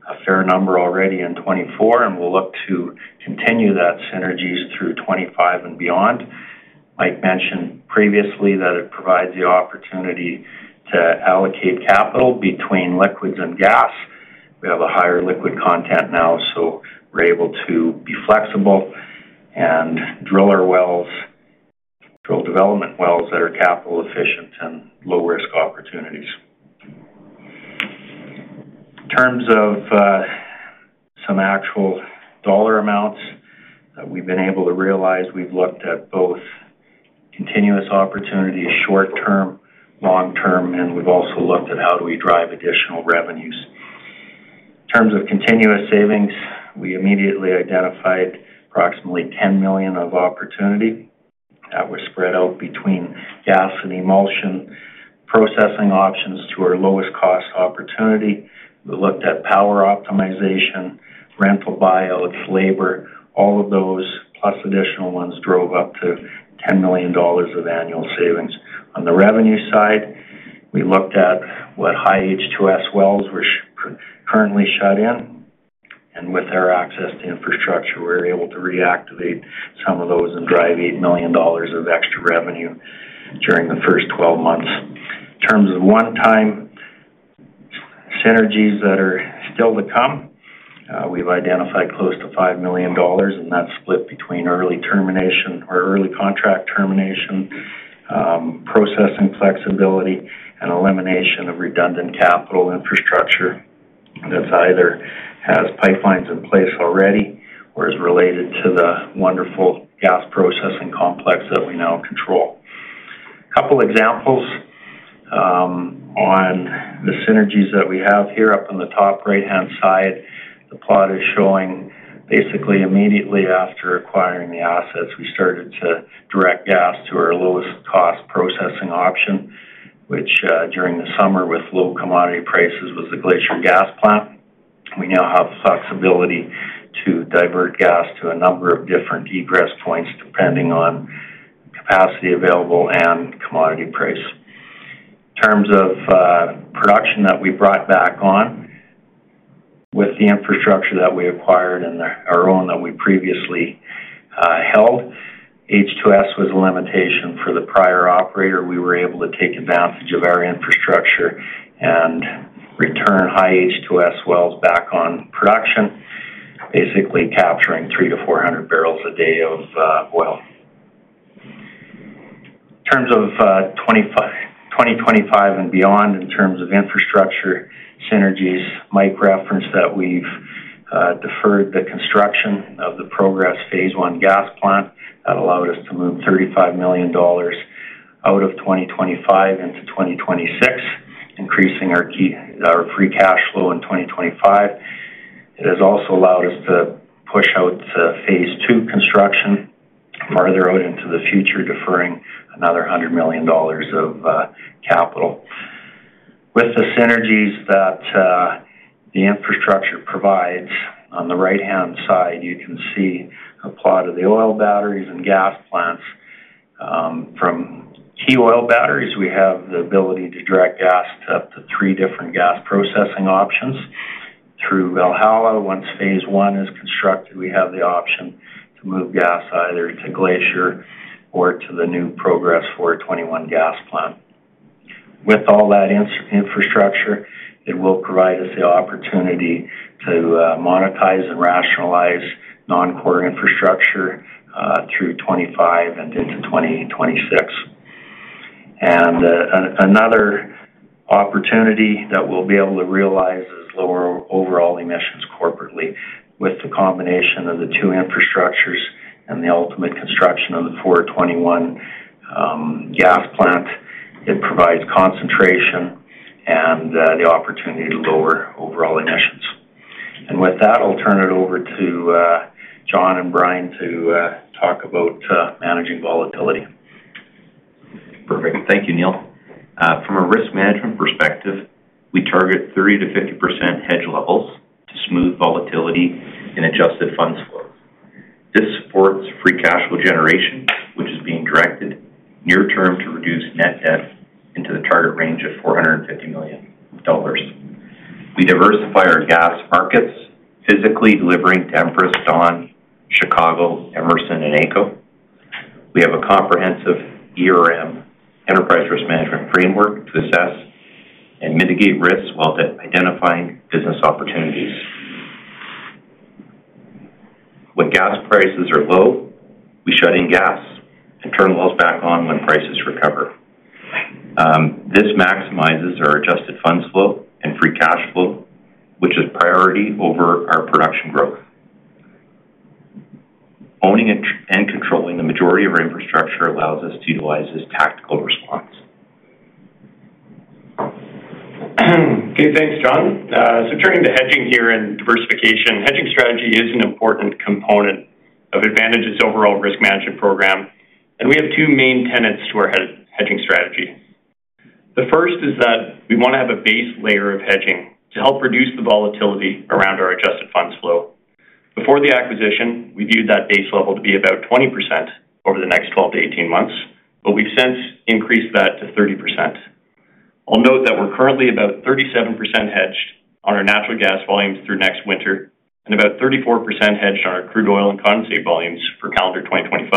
a fair number already in 2024, and we'll look to continue that synergies through 2025 and beyond. Like mentioned previously, that it provides the opportunity to allocate capital between liquids and gas. We have a higher liquid content now, so we're able to be flexible and drill our wells, drill development wells that are capital efficient and low-risk opportunities. In terms of some actual dollar amounts that we've been able to realize, we've looked at both continuous opportunities, short-term, long-term, and we've also looked at how do we drive additional revenues. In terms of continuous savings, we immediately identified approximately 10 million of opportunity that were spread out between gas and emulsion processing options to our lowest cost opportunity. We looked at power optimization, rental buyouts, labor. All of those, plus additional ones, drove up to 10 million dollars of annual savings. On the revenue side, we looked at what high H2S wells were currently shut in, and with our access to infrastructure, we were able to reactivate some of those and drive 8 million dollars of extra revenue during the first 12 months. In terms of one-time synergies that are still to come, we've identified close to 5 million dollars, and that's split between early termination or early contract termination, processing flexibility, and elimination of redundant capital infrastructure that either has pipelines in place already or is related to the wonderful gas processing complex that we now control. A couple of examples on the synergies that we have here up on the top right-hand side, the plot is showing basically immediately after acquiring the assets, we started to direct gas to our lowest cost processing option, which during the summer with low commodity prices was the Glacier Gas Plant. We now have flexibility to divert gas to a number of different egress points depending on capacity available and commodity price. In terms of production that we brought back on with the infrastructure that we acquired and our own that we previously held, H2S was a limitation for the prior operator. We were able to take advantage of our infrastructure and return high H2S wells back on production, basically capturing 300-400 barrels a day of oil. In terms of 2025 and beyond, in terms of infrastructure synergies, Mike referenced that we've deferred the construction of the Progress Phase 1 Gas Plant. That allowed us to move $35 million out of 2025 into 2026, increasing our free cash flow in 2025. It has also allowed us to push out Phase 2 construction farther out into the future, deferring another $100 million of capital. With the synergies that the infrastructure provides, on the right-hand side, you can see a plot of the oil batteries and gas plants. From key oil batteries, we have the ability to direct gas to up to three different gas processing options through Valhalla. Once Phase 1 is constructed, we have the option to move gas either to Glacier or to the new Progress 421 Gas Plant. With all that infrastructure, it will provide us the opportunity to monetize and rationalize non-core infrastructure through 2025 and into 2026. Another opportunity that we'll be able to realize is lower overall emissions corporately. With the combination of the two infrastructures and the ultimate construction of the 421 Gas Plant, it provides concentration and the opportunity to lower overall emissions. With that, I'll turn it over to John and Brian to talk about managing volatility. Perfect. Thank you, Neil. From a risk management perspective, we target 30%-50% hedge levels to smooth volatility and adjusted funds flows. This supports free cash flow generation, which is being directed near-term to reduce net debt into the target range of 450 million dollars. We diversify our gas markets, physically delivering to Empress, Dawn, Chicago, Emerson, and AECO. We have a comprehensive Enterprise Risk Management Framework, to assess and mitigate risks while identifying business opportunities. When gas prices are low, we shut in gas and turn wells back on when prices recover. This maximizes our adjusted funds flow and free cash flow, which is priority over our production growth. Owning and controlling the majority of our infrastructure allows us to utilize this tactical response. Okay. Thanks, John. So turning to hedging here and diversification, hedging strategy is an important component of Advantage's overall risk management program. And we have two main tenets to our hedging strategy. The first is that we want to have a base layer of hedging to help reduce the volatility around our adjusted funds flow. Before the acquisition, we viewed that base level to be about 20% over the next 12-18 months, but we've since increased that to 30%. I'll note that we're currently about 37% hedged on our natural gas volumes through next winter and about 34% hedged on our crude oil and condensate volumes for calendar 2025,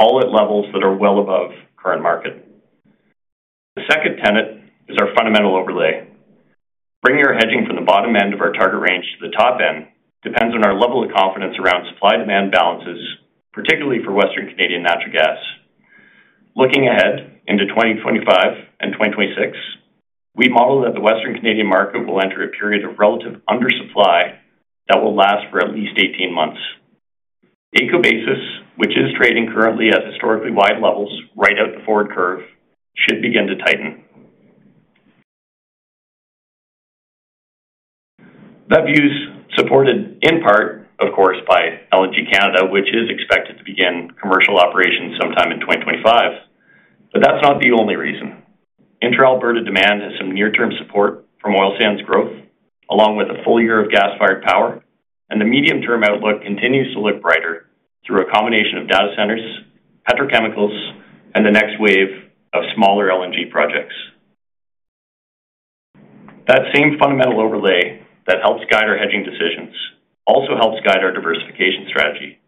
all at levels that are well above current market. The second tenet is our fundamental overlay. Bringing our hedging from the bottom end of our target range to the top end depends on our level of confidence around supply-demand balances, particularly for Western Canadian natural gas. Looking ahead into 2025 and 2026, we model that the Western Canadian market will enter a period of relative undersupply that will last for at least 18 months. AECO basis, which is trading currently at historically wide levels right out the forward curve, should begin to tighten. That view's supported in part, of course, by LNG Canada, which is expected to begin commercial operations sometime in 2025. But that's not the only reason. Intra-Alberta demand has some near-term support from oil sands growth, along with a full year of gas-fired power. And the medium-term outlook continues to look brighter through a combination of data centers, petrochemicals, and the next wave of smaller LNG projects. That same fundamental overlay that helps guide our hedging decisions also helps guide our diversification strategy.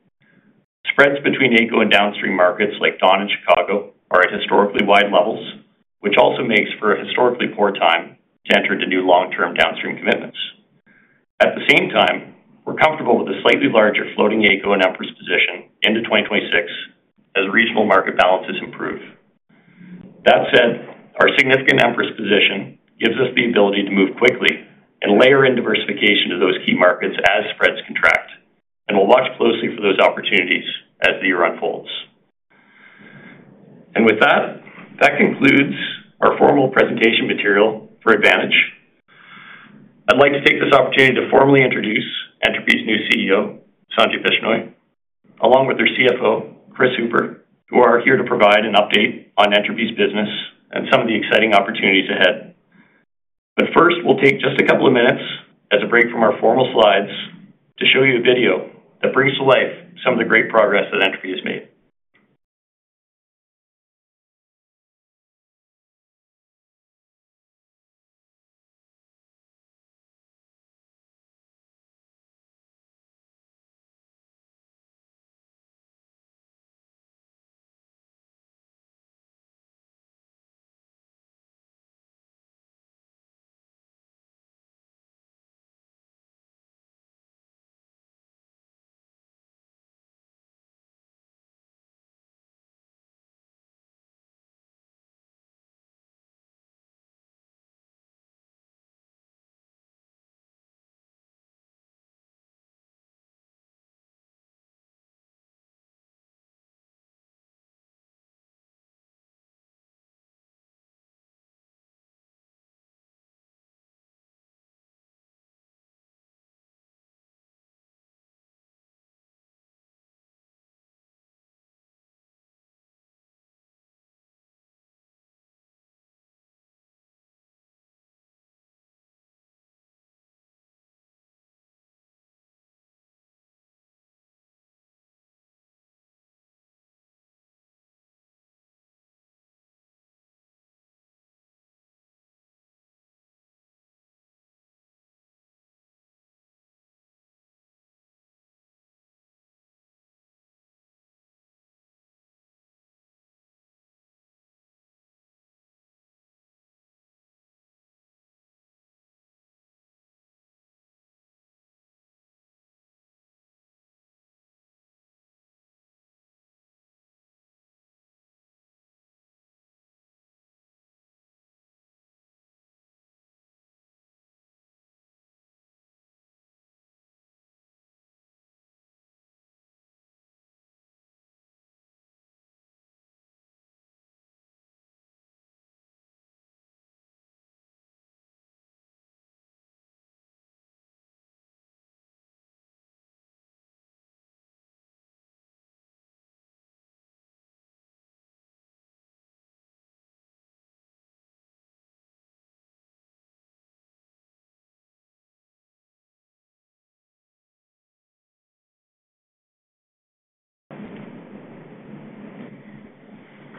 Spreads between AECO and downstream markets like Dawn and Chicago are at historically wide levels, which also makes for a historically poor time to enter the new long-term downstream commitments. At the same time, we're comfortable with a slightly larger floating AECO and Empress position into 2026 as regional market balances improve. That said, our significant Empress position gives us the ability to move quickly and layer in diversification to those key markets as spreads contract, and we'll watch closely for those opportunities as the year unfolds, and with that, that concludes our formal presentation material for Advantage. I'd like to take this opportunity to formally introduce Entropy's new CEO, Sanjay Bishnoi, along with their CFO, Chris Hooper, who are here to provide an update on Entropy's business and some of the exciting opportunities ahead. But first, we'll take just a couple of minutes as a break from our formal slides to show you a video that brings to life some of the great progress that Entropy has made.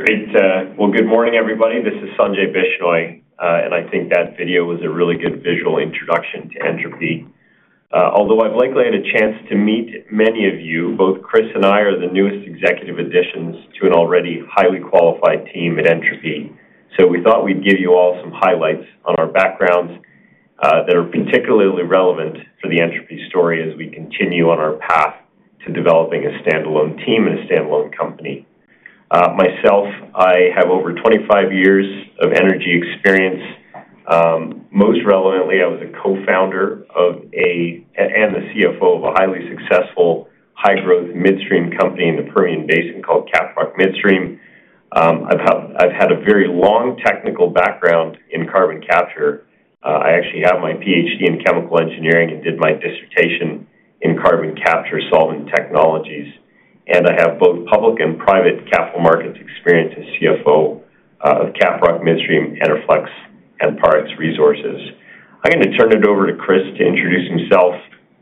Great. Well, good morning, everybody. This is Sanjay Bishnoi. And I think that video was a really good visual introduction to Entropy. Although I've likely had a chance to meet many of you, both Chris and I are the newest executive additions to an already highly qualified team at Entropy. So we thought we'd give you all some highlights on our backgrounds that are particularly relevant for the Entropy story as we continue on our path to developing a standalone team and a standalone company. Myself, I have over 25 years of energy experience. Most relevantly, I was a co-founder and the CFO of a highly successful, high-growth midstream company in the Permian Basin called Caprock Midstream. I've had a very long technical background in carbon capture. I actually have my PhD in chemical engineering and did my dissertation in carbon capture solvent technologies. And I have both public and private capital markets experience as CFO of Caprock Midstream, Enerflex, and Parex Resources. I'm going to turn it over to Chris to introduce himself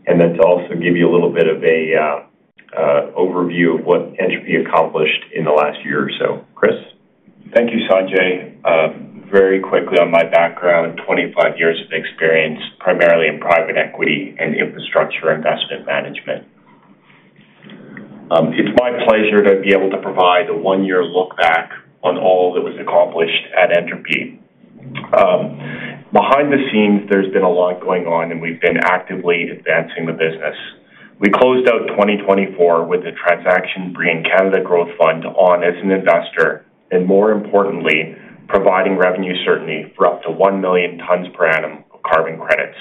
and then to also give you a little bit of an overview of what Entropy accomplished in the last year or so. Chris? Thank you, Sanjay. Very quickly, on my background, 25 years of experience primarily in private equity and infrastructure investment management. It's my pleasure to be able to provide a one-year look back on all that was accomplished at Entropy. Behind the scenes, there's been a lot going on, and we've been actively advancing the business. We closed out 2024 with a transaction bringing Canada Growth Fund on as an investor and, more importantly, providing revenue certainty for up to one million tons per annum of carbon credits.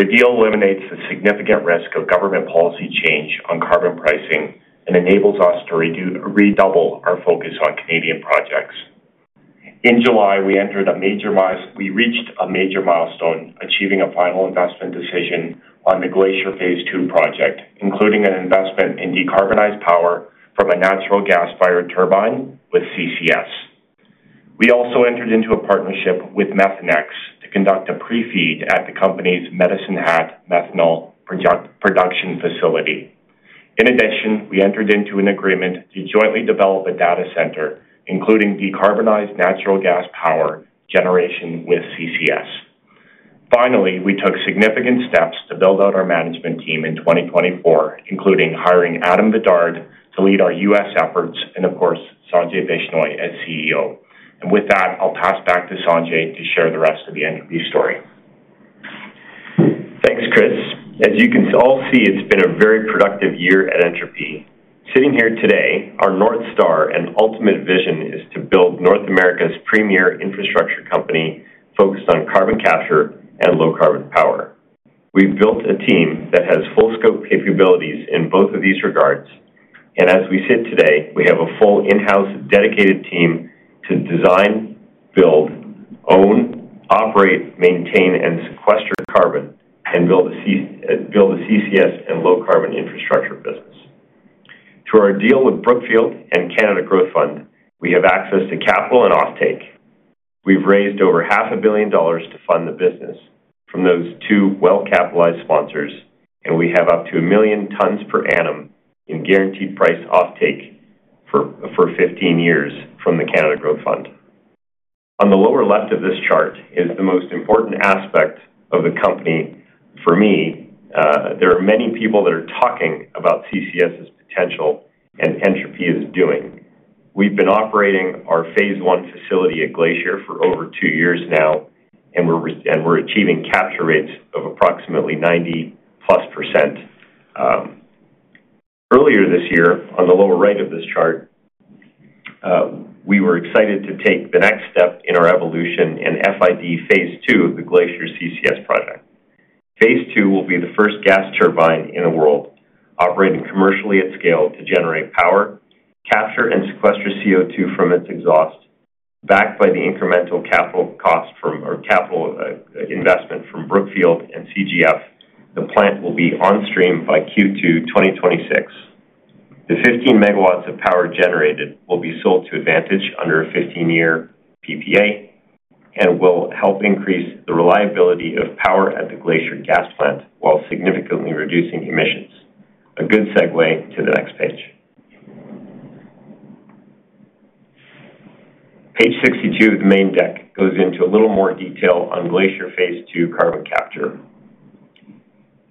The deal eliminates the significant risk of government policy change on carbon pricing and enables us to redouble our focus on Canadian projects. In July, we reached a major milestone achieving a final investment decision on the Glacier Phase 2 project, including an investment in decarbonized power from a natural gas-fired turbine with CCS. We also entered into a partnership with Methanex to conduct a pre-FEED at the company's Medicine Hat methanol production facility. In addition, we entered into an agreement to jointly develop a data center, including decarbonized natural gas power generation with CCS. Finally, we took significant steps to build out our management team in 2024, including hiring Adam Bedard to lead our U.S. efforts and, of course, Sanjay Bishnoi as CEO. And with that, I'll pass back to Sanjay to share the rest of the Entropy story. Thanks, Chris. As you can all see, it's been a very productive year at Entropy. Sitting here today, our North Star and ultimate vision is to build North America's premier infrastructure company focused on carbon capture and low-carbon power. We've built a team that has full-scope capabilities in both of these regards. As we sit today, we have a full in-house dedicated team to design, build, own, operate, maintain, and sequester carbon and build a CCS and low-carbon infrastructure business. Through our deal with Brookfield and Canada Growth Fund, we have access to capital and offtake. We have raised over $500 million to fund the business from those two well-capitalized sponsors. We have up to 1 million tons per annum in guaranteed price offtake for 15 years from the Canada Growth Fund. On the lower left of this chart is the most important aspect of the company for me. There are many people that are talking about CCS's potential and Entropy is doing. We have been operating our Phase 1 facility at Glacier for over two years now, and we are achieving capture rates of approximately 90+%. Earlier this year, on the lower right of this chart, we were excited to take the next step in our evolution and FID Phase 2 of the Glacier CCS project. Phase 2 will be the first gas turbine in the world operating commercially at scale to generate power, capture, and sequester CO2 from its exhaust. Backed by the incremental capital cost from our capital investment from Brookfield and CGF, the plant will be on-stream by Q2 2026. The 15 megawatts of power generated will be sold to Advantage under a 15-year PPA and will help increase the reliability of power at the Glacier gas plant while significantly reducing emissions. A good segue to the next page. Page 62 of the main deck goes into a little more detail on Glacier Phase 2 carbon capture.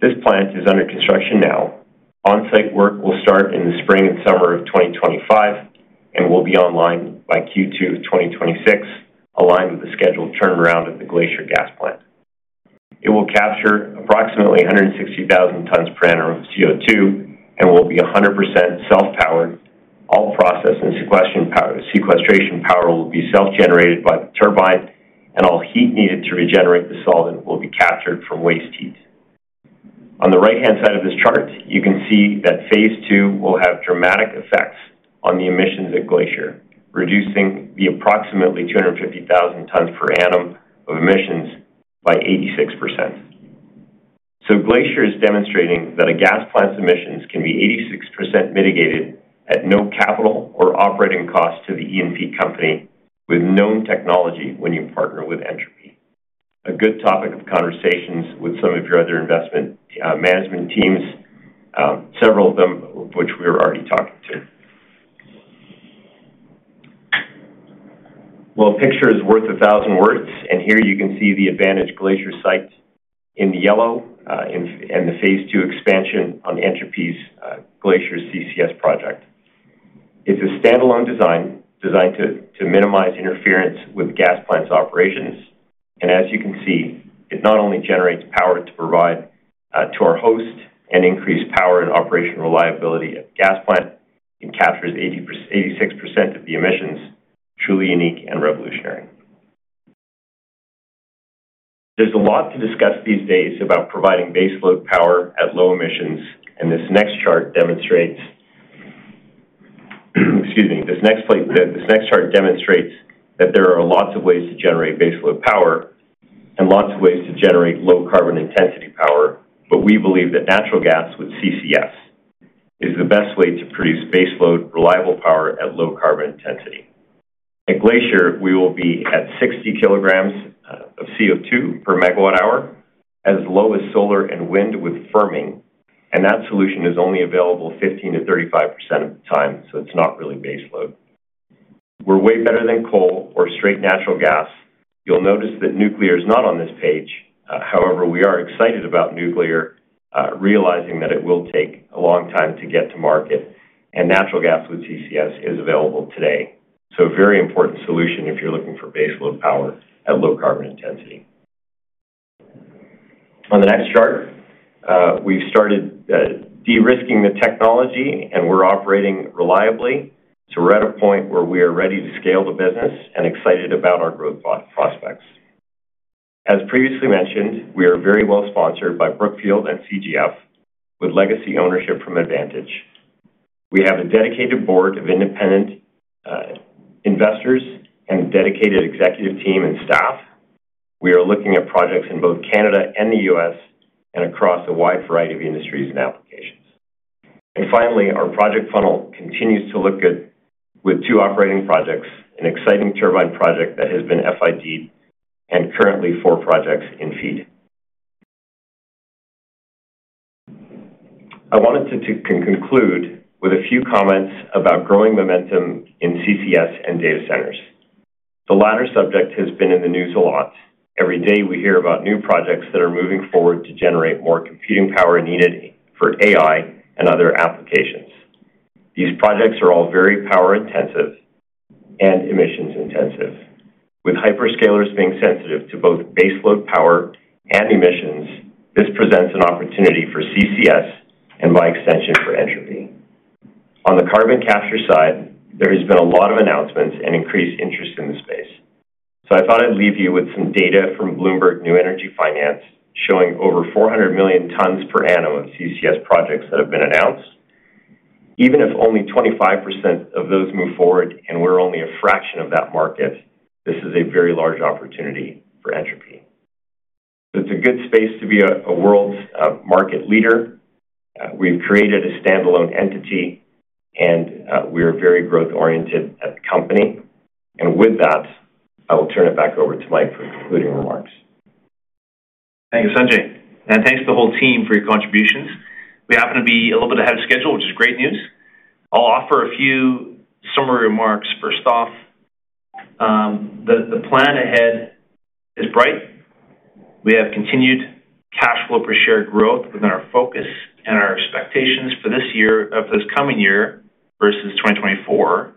This plant is under construction now. On-site work will start in the spring and summer of 2025 and will be online by Q2 2026, aligned with the scheduled turnaround of the Glacier Gas Plant. It will capture approximately 160,000 tons per annum of CO2 and will be 100% self-powered. All process and sequestration power will be self-generated by the turbine, and all heat needed to regenerate the solvent will be captured from waste heat. On the right-hand side of this chart, you can see that Phase 2 will have dramatic effects on the emissions at Glacier, reducing the approximately 250,000 tons per annum of emissions by 86%. So Glacier is demonstrating that a gas plant's emissions can be 86% mitigated at no capital or operating cost to the E&P company with known technology when you partner with Entropy. A good topic of conversations with some of your other investment management teams, several of which we were already talking to. Well, a picture is worth a thousand words. And here you can see the Advantage Glacier site in the yellow and the Phase 2 expansion on Entropy's Glacier CCS project. It's a standalone design designed to minimize interference with gas plant's operations. And as you can see, it not only generates power to provide to our host and increase power and operational reliability at the gas plant and captures 86% of the emissions, truly unique and revolutionary. There's a lot to discuss these days about providing baseload power at low emissions. And this next chart demonstrates, excuse me, this next chart demonstrates that there are lots of ways to generate baseload power and lots of ways to generate low-carbon intensity power. But we believe that natural gas with CCS is the best way to produce baseload reliable power at low-carbon intensity. At Glacier, we will be at 60 kilograms of CO2 per megawatt hour, as low as solar and wind with firming. And that solution is only available 15%-35% of the time, so it's not really baseload. We're way better than coal or straight natural gas. You'll notice that nuclear is not on this page. However, we are excited about nuclear, realizing that it will take a long time to get to market. And natural gas with CCS is available today. So a very important solution if you're looking for baseload power at low-carbon intensity. On the next chart, we've started de-risking the technology, and we're operating reliably. So we're at a point where we are ready to scale the business and excited about our growth prospects. As previously mentioned, we are very well sponsored by Brookfield and CGF with legacy ownership from Advantage. We have a dedicated board of independent investors and a dedicated executive team and staff. We are looking at projects in both Canada and the U.S. and across a wide variety of industries and applications. And finally, our project funnel continues to look good with two operating projects, an exciting turbine project that has been FIDed, and currently four projects in FEED. I wanted to conclude with a few comments about growing momentum in CCS and data centers. The latter subject has been in the news a lot. Every day, we hear about new projects that are moving forward to generate more computing power needed for AI and other applications. These projects are all very power-intensive and emissions-intensive. With hyperscalers being sensitive to both baseload power and emissions, this presents an opportunity for CCS and, by extension, for Entropy. On the carbon capture side, there has been a lot of announcements and increased interest in the space. So I thought I'd leave you with some data from Bloomberg New Energy Finance showing over 400 million tons per annum of CCS projects that have been announced. Even if only 25% of those move forward and we're only a fraction of that market, this is a very large opportunity for Entropy. So it's a good space to be a world market leader. We've created a standalone entity, and we are very growth-oriented at the company. And with that, I will turn it back over to Mike for concluding remarks. Thank you, Sanjay. And thanks to the whole team for your contributions. We happen to be a little bit ahead of schedule, which is great news. I'll offer a few summary remarks. First off, the plan ahead is bright. We have continued cash flow per share growth within our focus and our expectations for this year for this coming year versus 2024,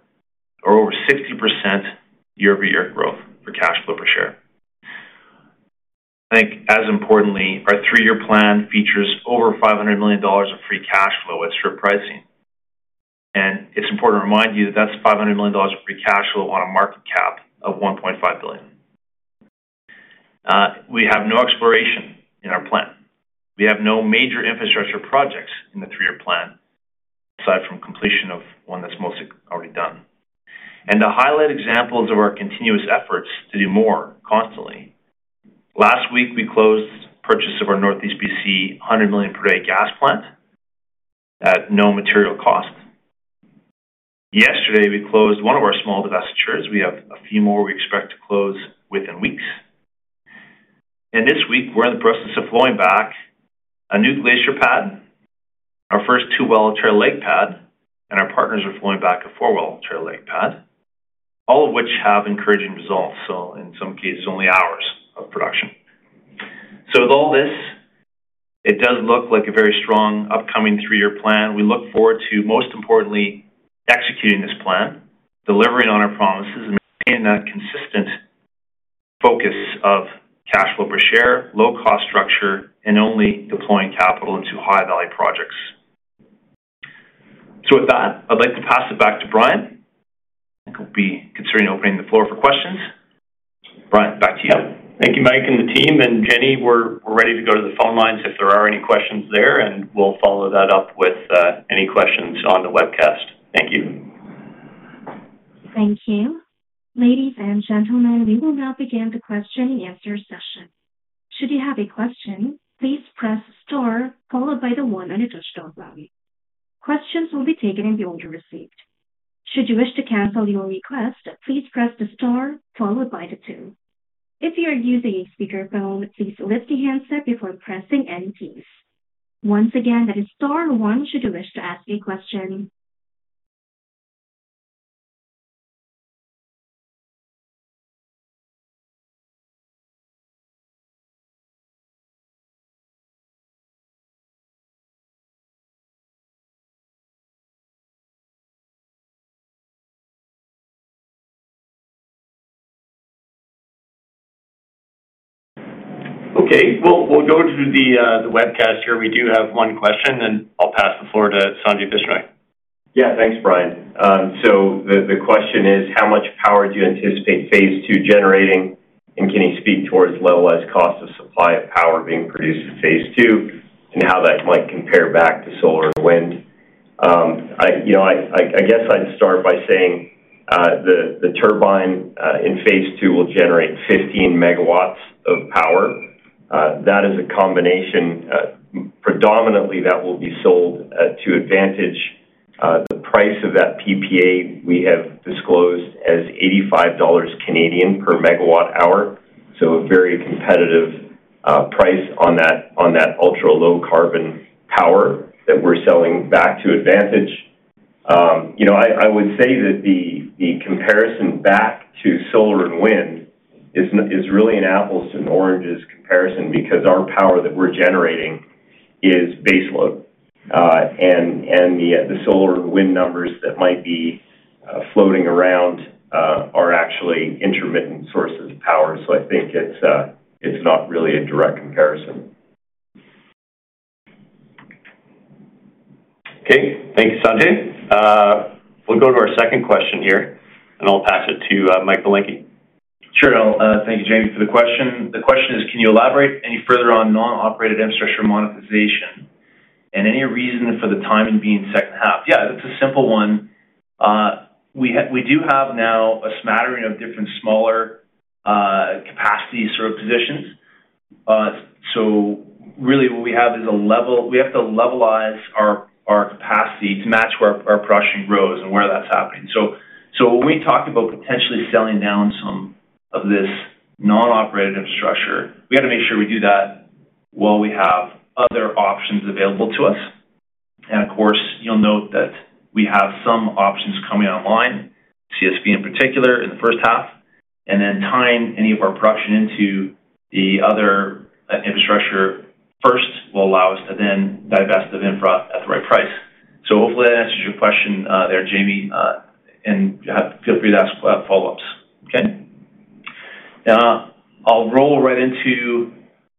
or over 60% year-over-year growth for cash flow per share. I think, as importantly, our three-year plan features over $500 million of free cash flow at strip. And it's important to remind you that that's $500 million of free cash flow on a market cap of $1.5 billion. We have no exploration in our plan. We have no major infrastructure projects in the three-year plan aside from completion of one that's mostly already done. And to highlight examples of our continuous efforts to do more constantly, last week, we closed purchase of our Northeast BC 100 million per day gas plant at no material cost. Yesterday, we closed one of our small divestitures. We have a few more we expect to close within weeks. And this week, we're in the process of flowing back a new Glacier pad, our first 2-well trail leg pad, and our partners are flowing back a 4-well trail leg pad, all of which have encouraging results. So in some cases, only hours of production. So with all this, it does look like a very strong upcoming three-year plan. We look forward to, most importantly, executing this plan, delivering on our promises, and maintaining that consistent focus of cash flow per share, low-cost structure, and only deploying capital into high-value projects. So with that, I'd like to pass it back to Brian. I think we'll be considering opening the floor for questions. Brian, back to you. Thank you, Mike and the team. And Jenny, we're ready to go to the phone lines if there are any questions there. And we'll follow that up with any questions on the webcast. Thank you. Thank you. Ladies and gentlemen, we will now begin the question and answer session. If you have a question, please press star, one on your touch-tone phone. Questions will be taken in the order received. If you wish to cancel your request, please press star, two. If you are using a speakerphone, please lift the handset before making your selection. Once again, that is star, one if you wish to ask a question. Okay. Well, we'll go to the webcast here. We do have one question, and I'll pass the floor to Sanjay Bishnoi. Yeah, thanks, Brian. So the question is, how much power do you anticipate Phase 2 generating? And can you speak towards levelized cost of supply of power being produced in Phase 2 and how that might compare back to solar or wind? I guess I'd start by saying the turbine in Phase 2 will generate 15 megawatts of power. That is a combination predominantly that will be sold to Advantage. The price of that PPA we have disclosed as 85 Canadian dollars per megawatt hour, so a very competitive price on that ultra-low carbon power that we're selling back to Advantage. I would say that the comparison back to solar and wind is really an apples-to-oranges comparison because our power that we're generating is baseload. And the solar and wind numbers that might be floating around are actually intermittent sources of power. So I think it's not really a direct comparison. Okay. Thank you, Sanjay. We'll go to our second question here, and I'll pass it to Mike Belenkie. Sure. Thank you, James, for the question. The question is, can you elaborate any further on non-operated infrastructure monetization and any reason for the time in being second half? Yeah, that's a simple one. We do have now a smattering of different smaller capacity sort of positions. So really, what we have is a level we have to levelized our capacity to match where our production grows and where that's happening. So when we talk about potentially selling down some of this non-operated infrastructure, we have to make sure we do that while we have other options available to us. And of course, you'll note that we have some options coming online, CSP in particular in the first half. And then tying any of our production into the other infrastructure first will allow us to then divest of infra at the right price. Hopefully, that answers your question there, Jamie, and feel free to ask follow-ups. Okay? Now, I'll roll right into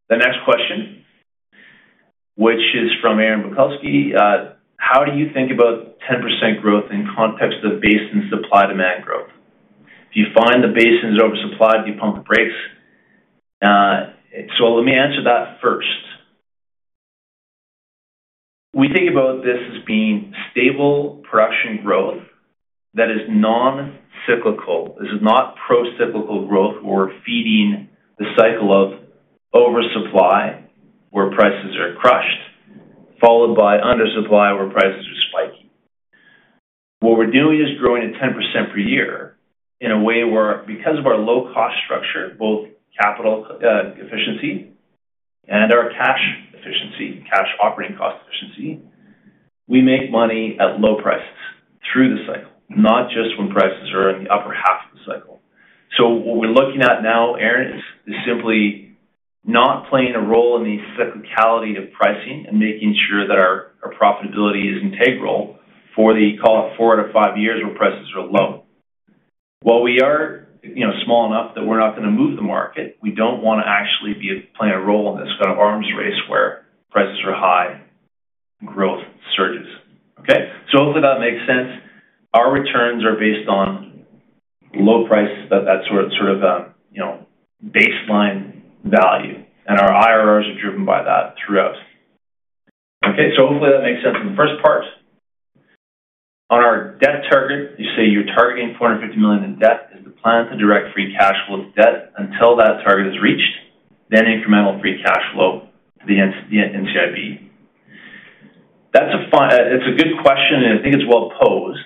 the next question, which is from Aaron Bilkoski. How do you think about 10% growth in context of basin supply demand growth? If you find the basins oversupplied, you pump the brakes. Let me answer that first. We think about this as being stable production growth that is non-cyclical. This is not pro-cyclical growth where we're feeding the cycle of oversupply where prices are crushed, followed by undersupply where prices are spiking. What we're doing is growing at 10% per year in a way where, because of our low-cost structure, both capital efficiency and our cash efficiency, cash operating cost efficiency, we make money at low prices through the cycle, not just when prices are in the upper half of the cycle. So what we're looking at now, Aaron, is simply not playing a role in the cyclicality of pricing and making sure that our profitability is integral for the call it four out of five years where prices are low. While we are small enough that we're not going to move the market, we don't want to actually be playing a role in this kind of arms race where prices are high and growth surges. Okay? So hopefully, that makes sense. Our returns are based on low prices, that sort of baseline value. And our IRRs are driven by that throughout. Okay? So hopefully, that makes sense in the first part. On our debt target, you say you're targeting 450 million in debt. Is the plan to direct free cash flow to debt until that target is reached, then incremental free cash flow to the NCIB? That's a good question, and I think it's well posed.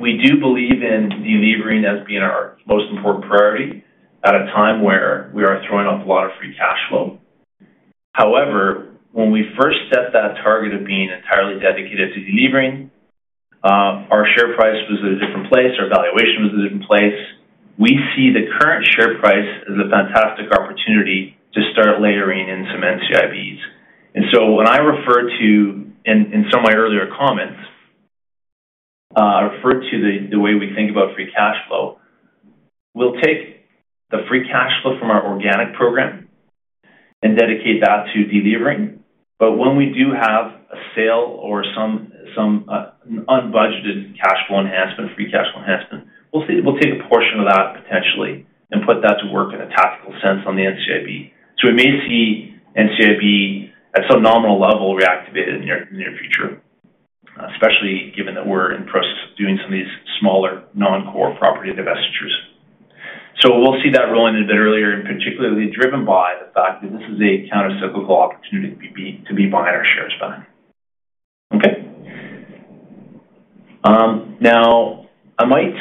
We do believe in delevering as being our most important priority at a time where we are throwing off a lot of free cash flow. However, when we first set that target of being entirely dedicated to delevering, our share price was at a different place. Our valuation was a different place. We see the current share price as a fantastic opportunity to start layering in some NCIBs. And so when I refer to, in some of my earlier comments, I refer to the way we think about free cash flow. We'll take the free cash flow from our organic program and dedicate that to delevering. But when we do have a sale or some unbudgeted cash flow enhancement, free cash flow enhancement, we'll take a portion of that potentially and put that to work in a tactical sense on the NCIB. So we may see NCIB at some nominal level reactivated in the near future, especially given that we're in the process of doing some of these smaller non-core property divestitures. So we'll see that rolling a bit earlier, and particularly driven by the fact that this is a countercyclical opportunity to buy back our shares. Okay? Now, I might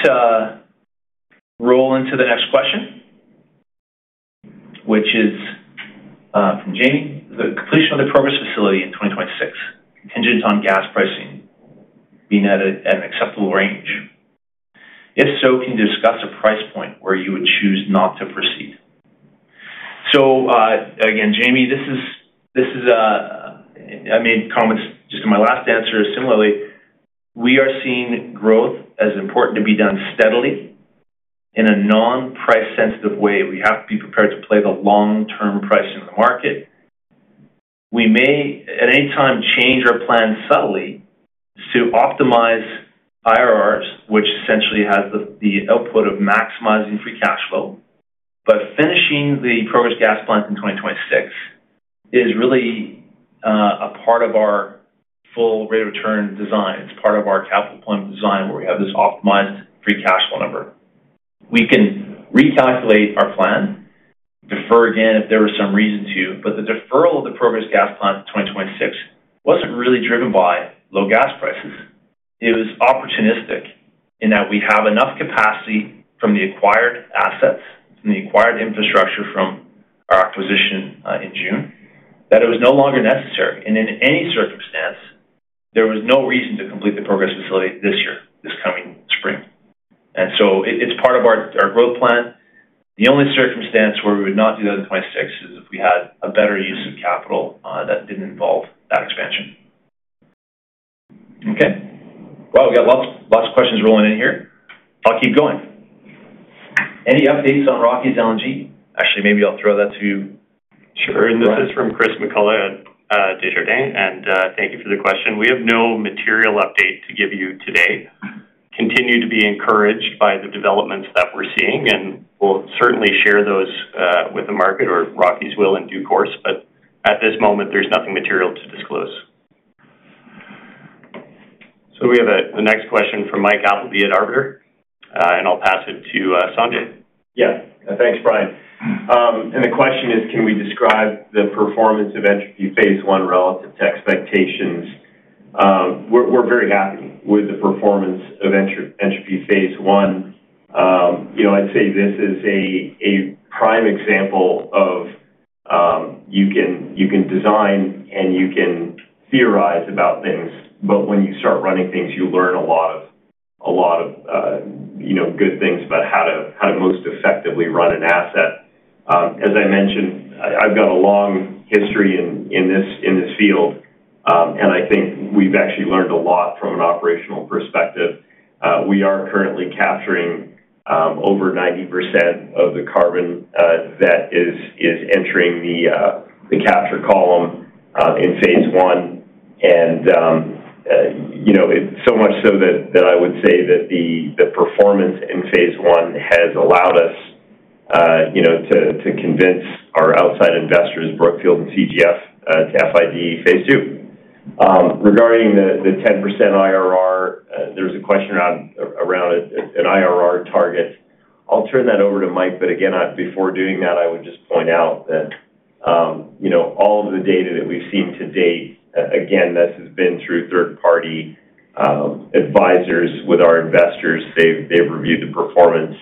roll into the next question, which is from Jamie. The completion of the Progress facility in 2026, contingent on gas pricing being at an acceptable range. If so, can you discuss a price point where you would choose not to proceed? So again, Jamie, this is. I made comments just in my last answer. Similarly, we are seeing growth as important to be done steadily in a non-price-sensitive way. We have to be prepared to play the long-term pricing of the market. We may at any time change our plan subtly to optimize IRRs, which essentially has the output of maximizing free cash flow. But finishing the Progress Gas Plant in 2026 is really a part of our full rate of return design. It's part of our capital plan design where we have this optimized free cash flow number. We can recalculate our plan, defer again if there was some reason to. But the deferral of the Progress Gas Plant in 2026 wasn't really driven by low gas prices. It was opportunistic in that we have enough capacity from the acquired assets, from the acquired infrastructure from our acquisition in June, that it was no longer necessary. In any circumstance, there was no reason to complete the Progress facility this year, this coming spring. So it's part of our growth plan. The only circumstance where we would not do that in 2026 is if we had a better use of capital that didn't involve that expansion. Okay. Wow, we got lots of questions rolling in here. I'll keep going. Any updates on Rockies LNG? Actually, maybe I'll throw that to you. Sure. And this is from Chris MacCulloch, Desjardins, and thank you for the question. We have no material update to give you today. We continue to be encouraged by the developments that we're seeing, and we'll certainly share those with the market or Rockies will in due course. But at this moment, there's nothing material to disclose. So we have the next question from Mike Appleby at Arbiter, and I'll pass it to Sanjay. Yeah. Thanks, Brian. The question is, can we describe the performance of Entropy Phase 1 relative to expectations? We're very happy with the performance of Entropy Phase 1. I'd say this is a prime example of you can design and you can theorize about things. But when you start running things, you learn a lot of good things about how to most effectively run an asset. As I mentioned, I've got a long history in this field, and I think we've actually learned a lot from an operational perspective. We are currently capturing over 90% of the carbon that is entering the capture column in Phase 1. And so much so that I would say that the performance in Phase 1 has allowed us to convince our outside investors, Brookfield and CGF, to FID Phase 2. Regarding the 10% IRR, there's a question around an IRR target. I'll turn that over to Mike. But again, before doing that, I would just point out that all of the data that we've seen to date, again, this has been through third-party advisors with our investors. They've reviewed the performance,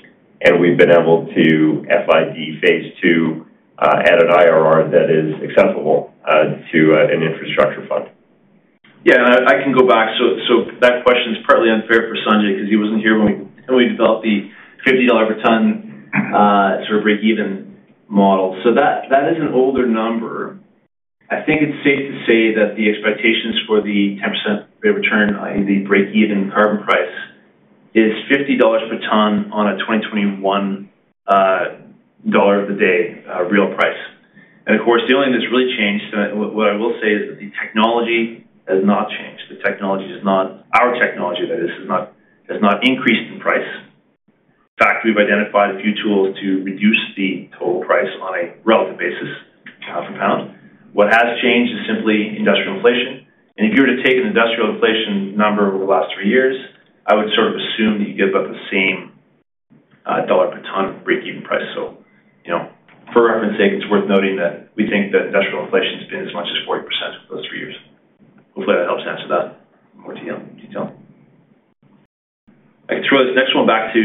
and we've been able to FID Phase 2 at an IRR that is acceptable to an infrastructure fund. Yeah. And I can go back. So that question is partly unfair for Sanjay because he wasn't here when we developed the $50 per ton sort of break-even model. So that is an older number. I think it's safe to say that the expectations for the 10% rate of return, i.e., the break-even carbon price, is $50 per ton on a 2021 dollar of the day real price. And of course, the only thing that's really changed, what I will say, is that the technology has not changed. The technology is not our technology that has not increased in price. In fact, we've identified a few tools to reduce the total price on a relative basis per pound. What has changed is simply industrial inflation. And if you were to take an industrial inflation number over the last three years, I would sort of assume that you get about the same dollar per ton break-even price. So for reference sake, it's worth noting that we think that industrial inflation has been as much as 40% over those three years. Hopefully, that helps answer that more detail. I can throw this next one back to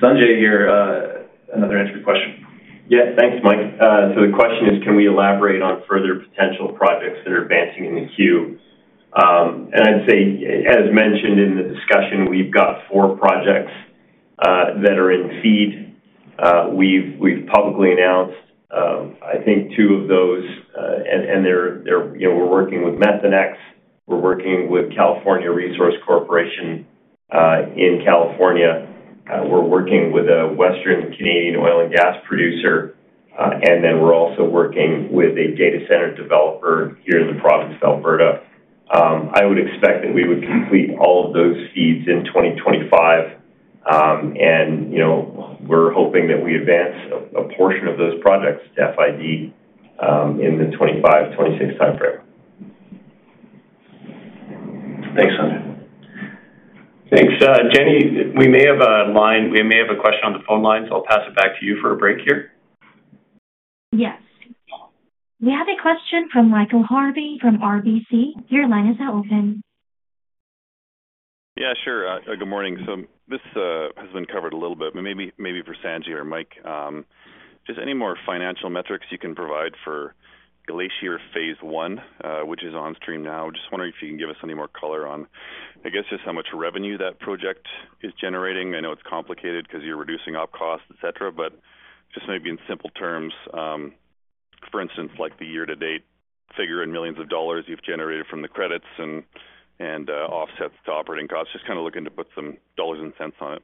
Sanjay here, another Entropy question. Yeah. Thanks, Mike. So the question is, can we elaborate on further potential projects that are advancing in the queue? And I'd say, as mentioned in the discussion, we've got four projects that are in FEED. We've publicly announced, I think, two of those. And we're working with Methanex. We're working with California Resources Corporation in California. We're working with a Western Canadian oil and gas producer. And then we're also working with a data center developer here in the province of Alberta. I would expect that we would complete all of those FEEDs in 2025. And we're hoping that we advance a portion of those projects to FID in the 2025, 2026 timeframe. Thanks, Sanjay. Thanks. Jenny, we may have a line. We may have a question on the phone line. So I'll pass it back to you for a break here. Yes. We have a question from Michael Harvey from RBC. Your line is now open. Yeah. Sure. Good morning. So this has been covered a little bit, maybe for Sanjay or Mike. Just any more financial metrics you can provide for Glacier Phase 1, which is on stream now? Just wondering if you can give us any more color on, I guess, just how much revenue that project is generating. I know it's complicated because you're reducing op costs, etc. But just maybe in simple terms, for instance, like the year-to-date figure in millions of dollars you've generated from the credits and offsets to operating costs, just kind of looking to put some dollars and cents on it.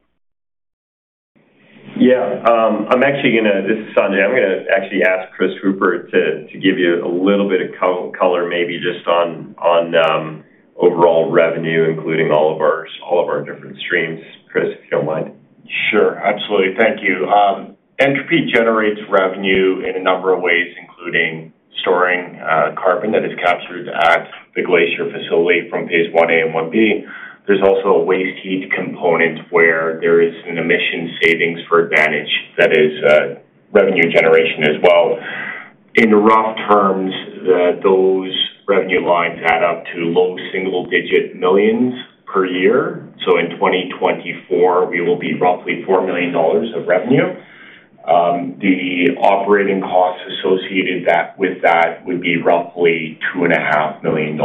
Yeah. I'm actually going to. This is Sanjay. I'm going to actually ask Chris Hooper to give you a little bit of color, maybe just on overall revenue, including all of our different streams. Chris, if you don't mind. Sure. Absolutely. Thank you. Entropy generates revenue in a number of ways, including storing carbon that is captured at the Glacier facility from Phase 1A and 1B. There's also a waste heat component where there is an emission savings for Advantage that is revenue generation as well. In rough terms, those revenue lines add up to low single-digit millions per year. So, in 2024, we will be roughly $4 million of revenue. The operating costs associated with that would be roughly $2.5 million.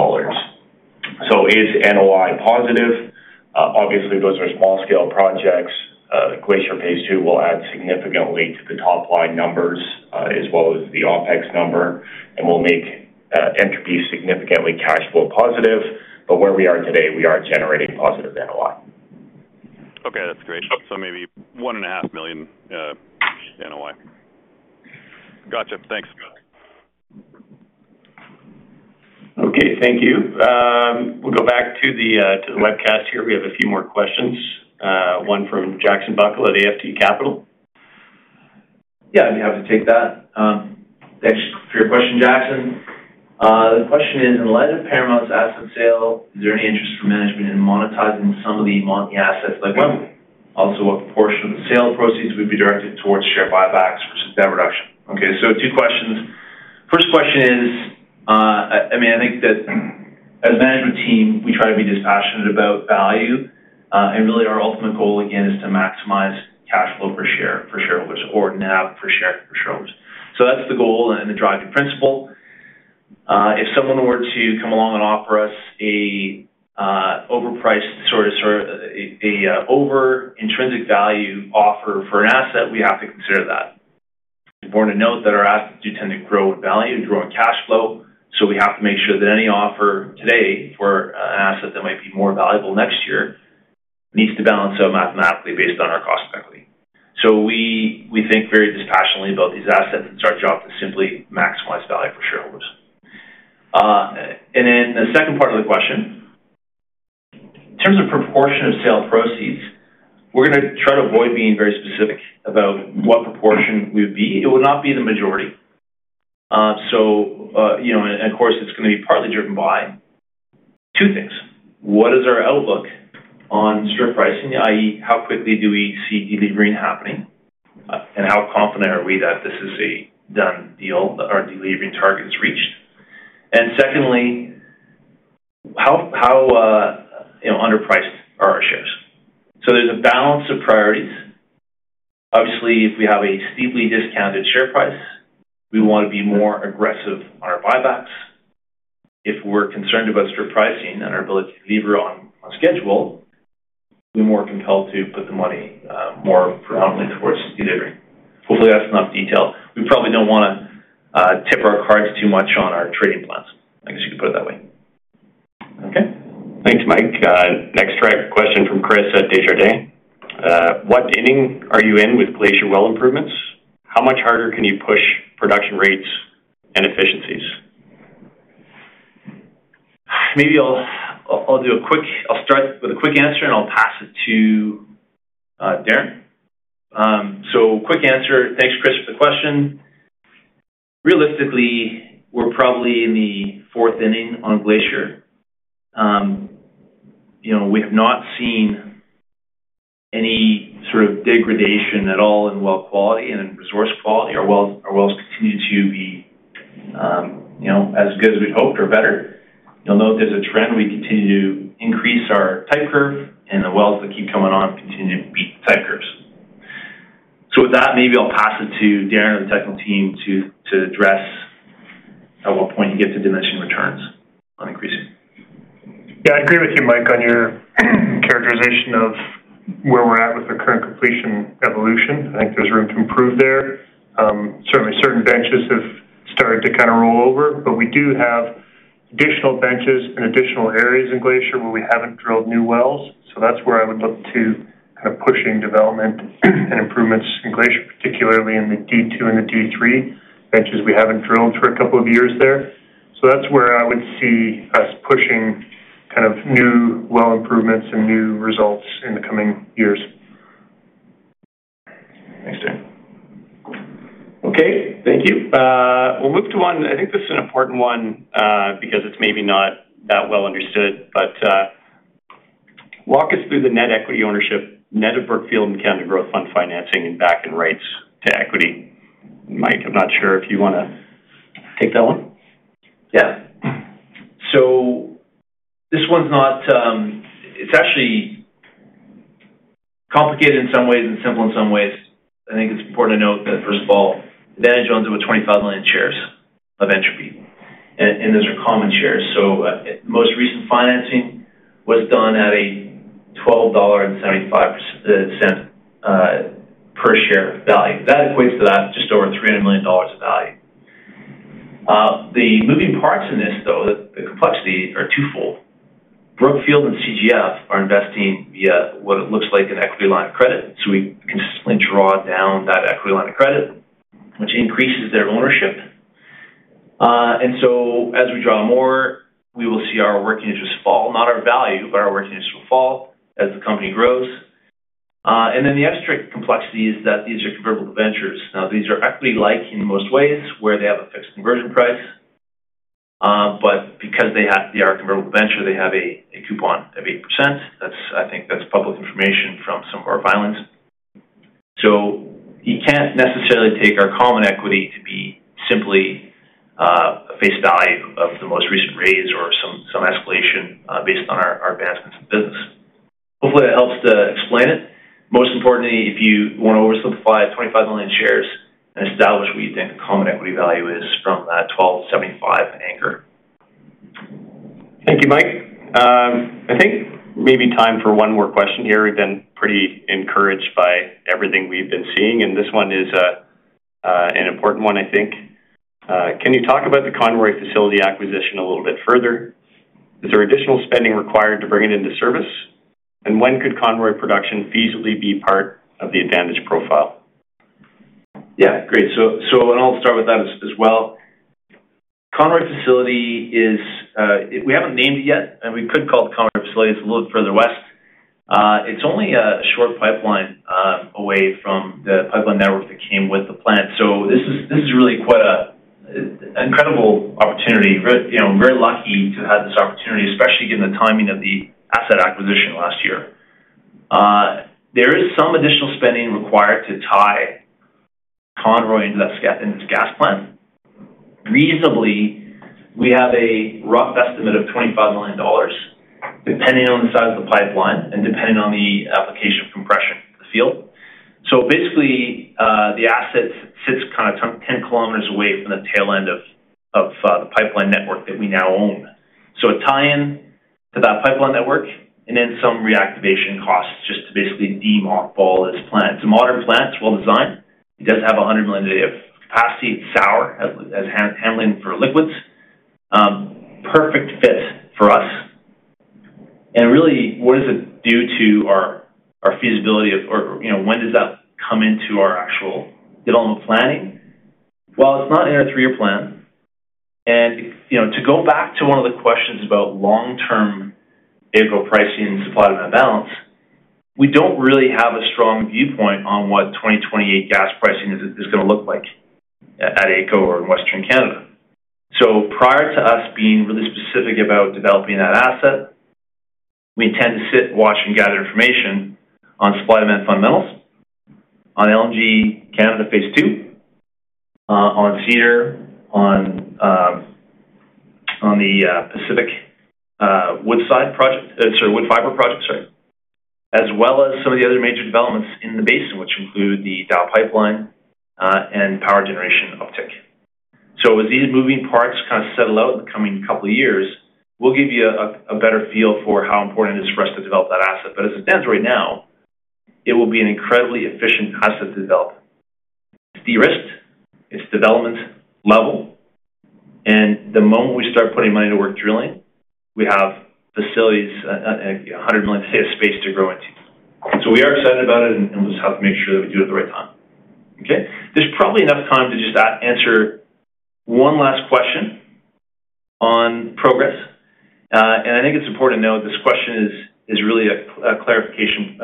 So, is NOI positive? Obviously, those are small-scale projects. Glacier Phase 2 will add significantly to the top line numbers as well as the OpEx number, and will make Entropy significantly cash flow positive. But where we are today, we are generating positive NOI. Okay. That's great. So maybe 1.5 million NOI. Gotcha. Thanks. Okay. Thank you. We'll go back to the webcast here. We have a few more questions. One from Jackson Buckle at AFT Capital. Yeah. I'd be happy to take that. Thanks for your question, Jackson. The question is, in light of Paramount's asset sale, is there any interest for management in monetizing some of the assets that went away? Also, what portion of the sale proceeds would be directed towards share buybacks versus debt reduction? Okay, so two questions. First question is, I mean, I think that as a management team, we try to be dispassionate about value, and really, our ultimate goal, again, is to maximize cash flow per shareholders or net output per shareholders, so that's the goal and the driving principle. If someone were to come along and offer us an overpriced sort of intrinsic value offer for an asset, we have to consider that. Important to note that our assets do tend to grow in value and grow in cash flow, so we have to make sure that any offer today for an asset that might be more valuable next year needs to balance out mathematically based on our cost equity, so we think very dispassionately about these assets and it's our job to simply maximize value for shareholders. And then the second part of the question, in terms of proportion of sale proceeds, we're going to try to avoid being very specific about what proportion we would be. It will not be the majority. So, of course, it's going to be partly driven by two things. What is our outlook on share pricing, i.e., how quickly do we see delivering happening, and how confident are we that this is a done deal, that our delivery target is reached? And secondly, how underpriced are our shares? So there's a balance of priorities. Obviously, if we have a steeply discounted share price, we want to be more aggressive on our buybacks. If we're concerned about share pricing and our ability to deliver on schedule, we're more compelled to put the money more predominantly towards delivering. Hopefully, that's enough detail. We probably don't want to tip our cards too much on our trading plans. I guess you could put it that way. Okay. Thanks, Mike. Next direct question from Chris at Desjardins. What ending are you in with Glacier well improvements? How much harder can you push production rates and efficiencies? Maybe I'll do a quick. I'll start with a quick answer, and I'll pass it to Darren. So quick answer. Thanks, Chris, for the question. Realistically, we're probably in the fourth inning on Glacier. We have not seen any sort of degradation at all in well quality and in resource quality. Our wells continue to be as good as we'd hoped or better. You'll note there's a trend. We continue to increase our type curve, and the wells that keep coming on continue to beat the type curves. So with that, maybe I'll pass it to Darren and the technical team to address at what point you get to diminishing returns on increasing. Yeah. I agree with you, Mike, on your characterization of where we're at with the current completion evolution. I think there's room to improve there. Certainly, certain benches have started to kind of roll over, but we do have additional benches and additional areas in Glacier where we haven't drilled new wells. So that's where I would look to kind of pushing development and improvements in Glacier, particularly in the D2 and the D3 benches. We haven't drilled for a couple of years there. So that's where I would see us pushing kind of new well improvements and new results in the coming years. Thanks, Darren. Okay. Thank you. We'll move to one, I think this is an important one because it's maybe not that well understood, but walk us through the net equity ownership, net of Brookfield and Canada Growth Fund financing and back and rights to equity. Mike, I'm not sure if you want to take that one. Yeah. So this one's not, it's actually complicated in some ways and simple in some ways. I think it's important to note that, first of all, Advantage owns over 25 million shares of Entropy, and those are common shares. So most recent financing was done at a $12.75 per share value. That equates to just over $300 million of value. The moving parts in this, though, the complexity are twofold. Brookfield and CGF are investing via what it looks like an equity line of credit. So we consistently draw down that equity line of credit, which increases their ownership. And so as we draw more, we will see our working interest fall, not our value, but our working interest will fall as the company grows. And then the extra complexity is that these are convertible ventures. Now, these are equity-like in most ways where they have a fixed conversion price. But because they are a convertible debenture, they have a coupon of 8%. I think that's public information from some of our filings. So you can't necessarily take our common equity to be simply a face value of the most recent raise or some escalation based on our advancements in business. Hopefully, that helps to explain it. Most importantly, if you want to oversimplify 25 million shares and establish what you think the common equity value is from that 12.75 anchor. Thank you, Mike. I think maybe time for one more question here. We've been pretty encouraged by everything we've been seeing, and this one is an important one, I think. Can you talk about the Conroy facility acquisition a little bit further? Is there additional spending required to bring it into service? And when could Conroy production feasibly be part of the Advantage profile? Yeah. Great. And I'll start with that as well. Conroy facility is, we haven't named it yet, and we could call it Conroy facility. It's a little further west. It's only a short pipeline away from the pipeline network that came with the plant. So this is really quite an incredible opportunity. We're very lucky to have this opportunity, especially given the timing of the asset acquisition last year. There is some additional spending required to tie Conroy into this gas plant. Reasonably, we have a rough estimate of $25 million depending on the size of the pipeline and depending on the application of compression in the field. So basically, the asset sits kind of 10 kilometers away from the tail end of the pipeline network that we now own. So a tie-in to that pipeline network and then some reactivation costs just to basically deem operable this plant. It's a modern plant. It's well-designed. It does have 100 million a day of capacity. It's sour gas handling for liquids. Perfect fit for us, and really, what does it do to our feasibility of—or when does that come into our actual development planning? Well, it's not in our three-year plan. And to go back to one of the questions about long-term AECO pricing and supply-demand balance, we don't really have a strong viewpoint on what 2028 gas pricing is going to look like at AECO or in Western Canada. So prior to us being really specific about developing that asset, we intend to sit, watch, and gather information on supply-demand fundamentals, on LNG Canada Phase 2, on Cedar, on the Pacific Woodfibre Project, sorry, Woodfibre project, sorry, as well as some of the other major developments in the basin, which include the Dow pipeline and power generation uptake. So as these moving parts kind of settle out in the coming couple of years, we'll give you a better feel for how important it is for us to develop that asset. But as it stands right now, it will be an incredibly efficient asset to develop. It's de-risked. It's development level. And the moment we start putting money to work drilling, we have facilities, 100 million to say, of space to grow into. So we are excited about it, and we just have to make sure that we do it at the right time. Okay? There's probably enough time to just answer one last question on Progress. And I think it's important to note this question is really a clarification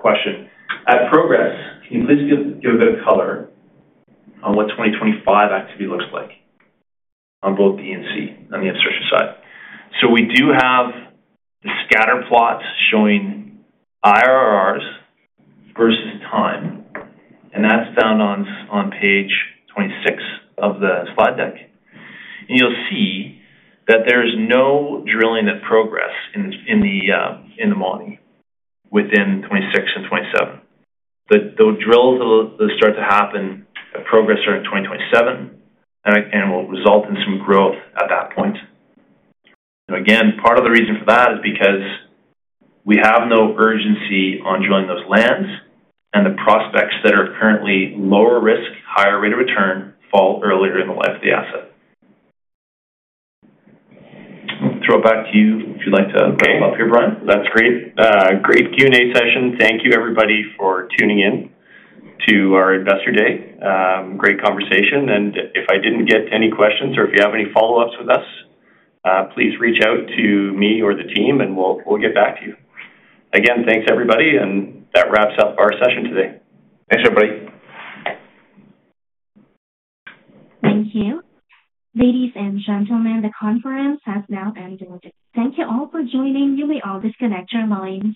question. At Progress, can you please give a bit of color on what 2025 activity looks like on both the ENC and the abstraction side? So we do have the scatter plots showing IRRs versus time, and that's found on page 26 of the slide deck. And you'll see that there is no drilling at Progress in the money within 2026 and 2027. But those drills will start to happen at Progress starting in 2027 and will result in some growth at that point. And again, part of the reason for that is because we have no urgency on drilling those lands, and the prospects that are currently lower risk, higher rate of return fall earlier in the life of the asset. Throw it back to you if you'd like to wrap up here, Brian. That's great. Great Q&A session. Thank you, everybody, for tuning in to our investor day. Great conversation. And if I didn't get to any questions or if you have any follow-ups with us, please reach out to me or the team, and we'll get back to you. Again, thanks, everybody. And that wraps up our session today. Thanks, everybody. Thank you. Ladies and gentlemen, the conference has now ended. Thank you all for joining. You may all disconnect your lines.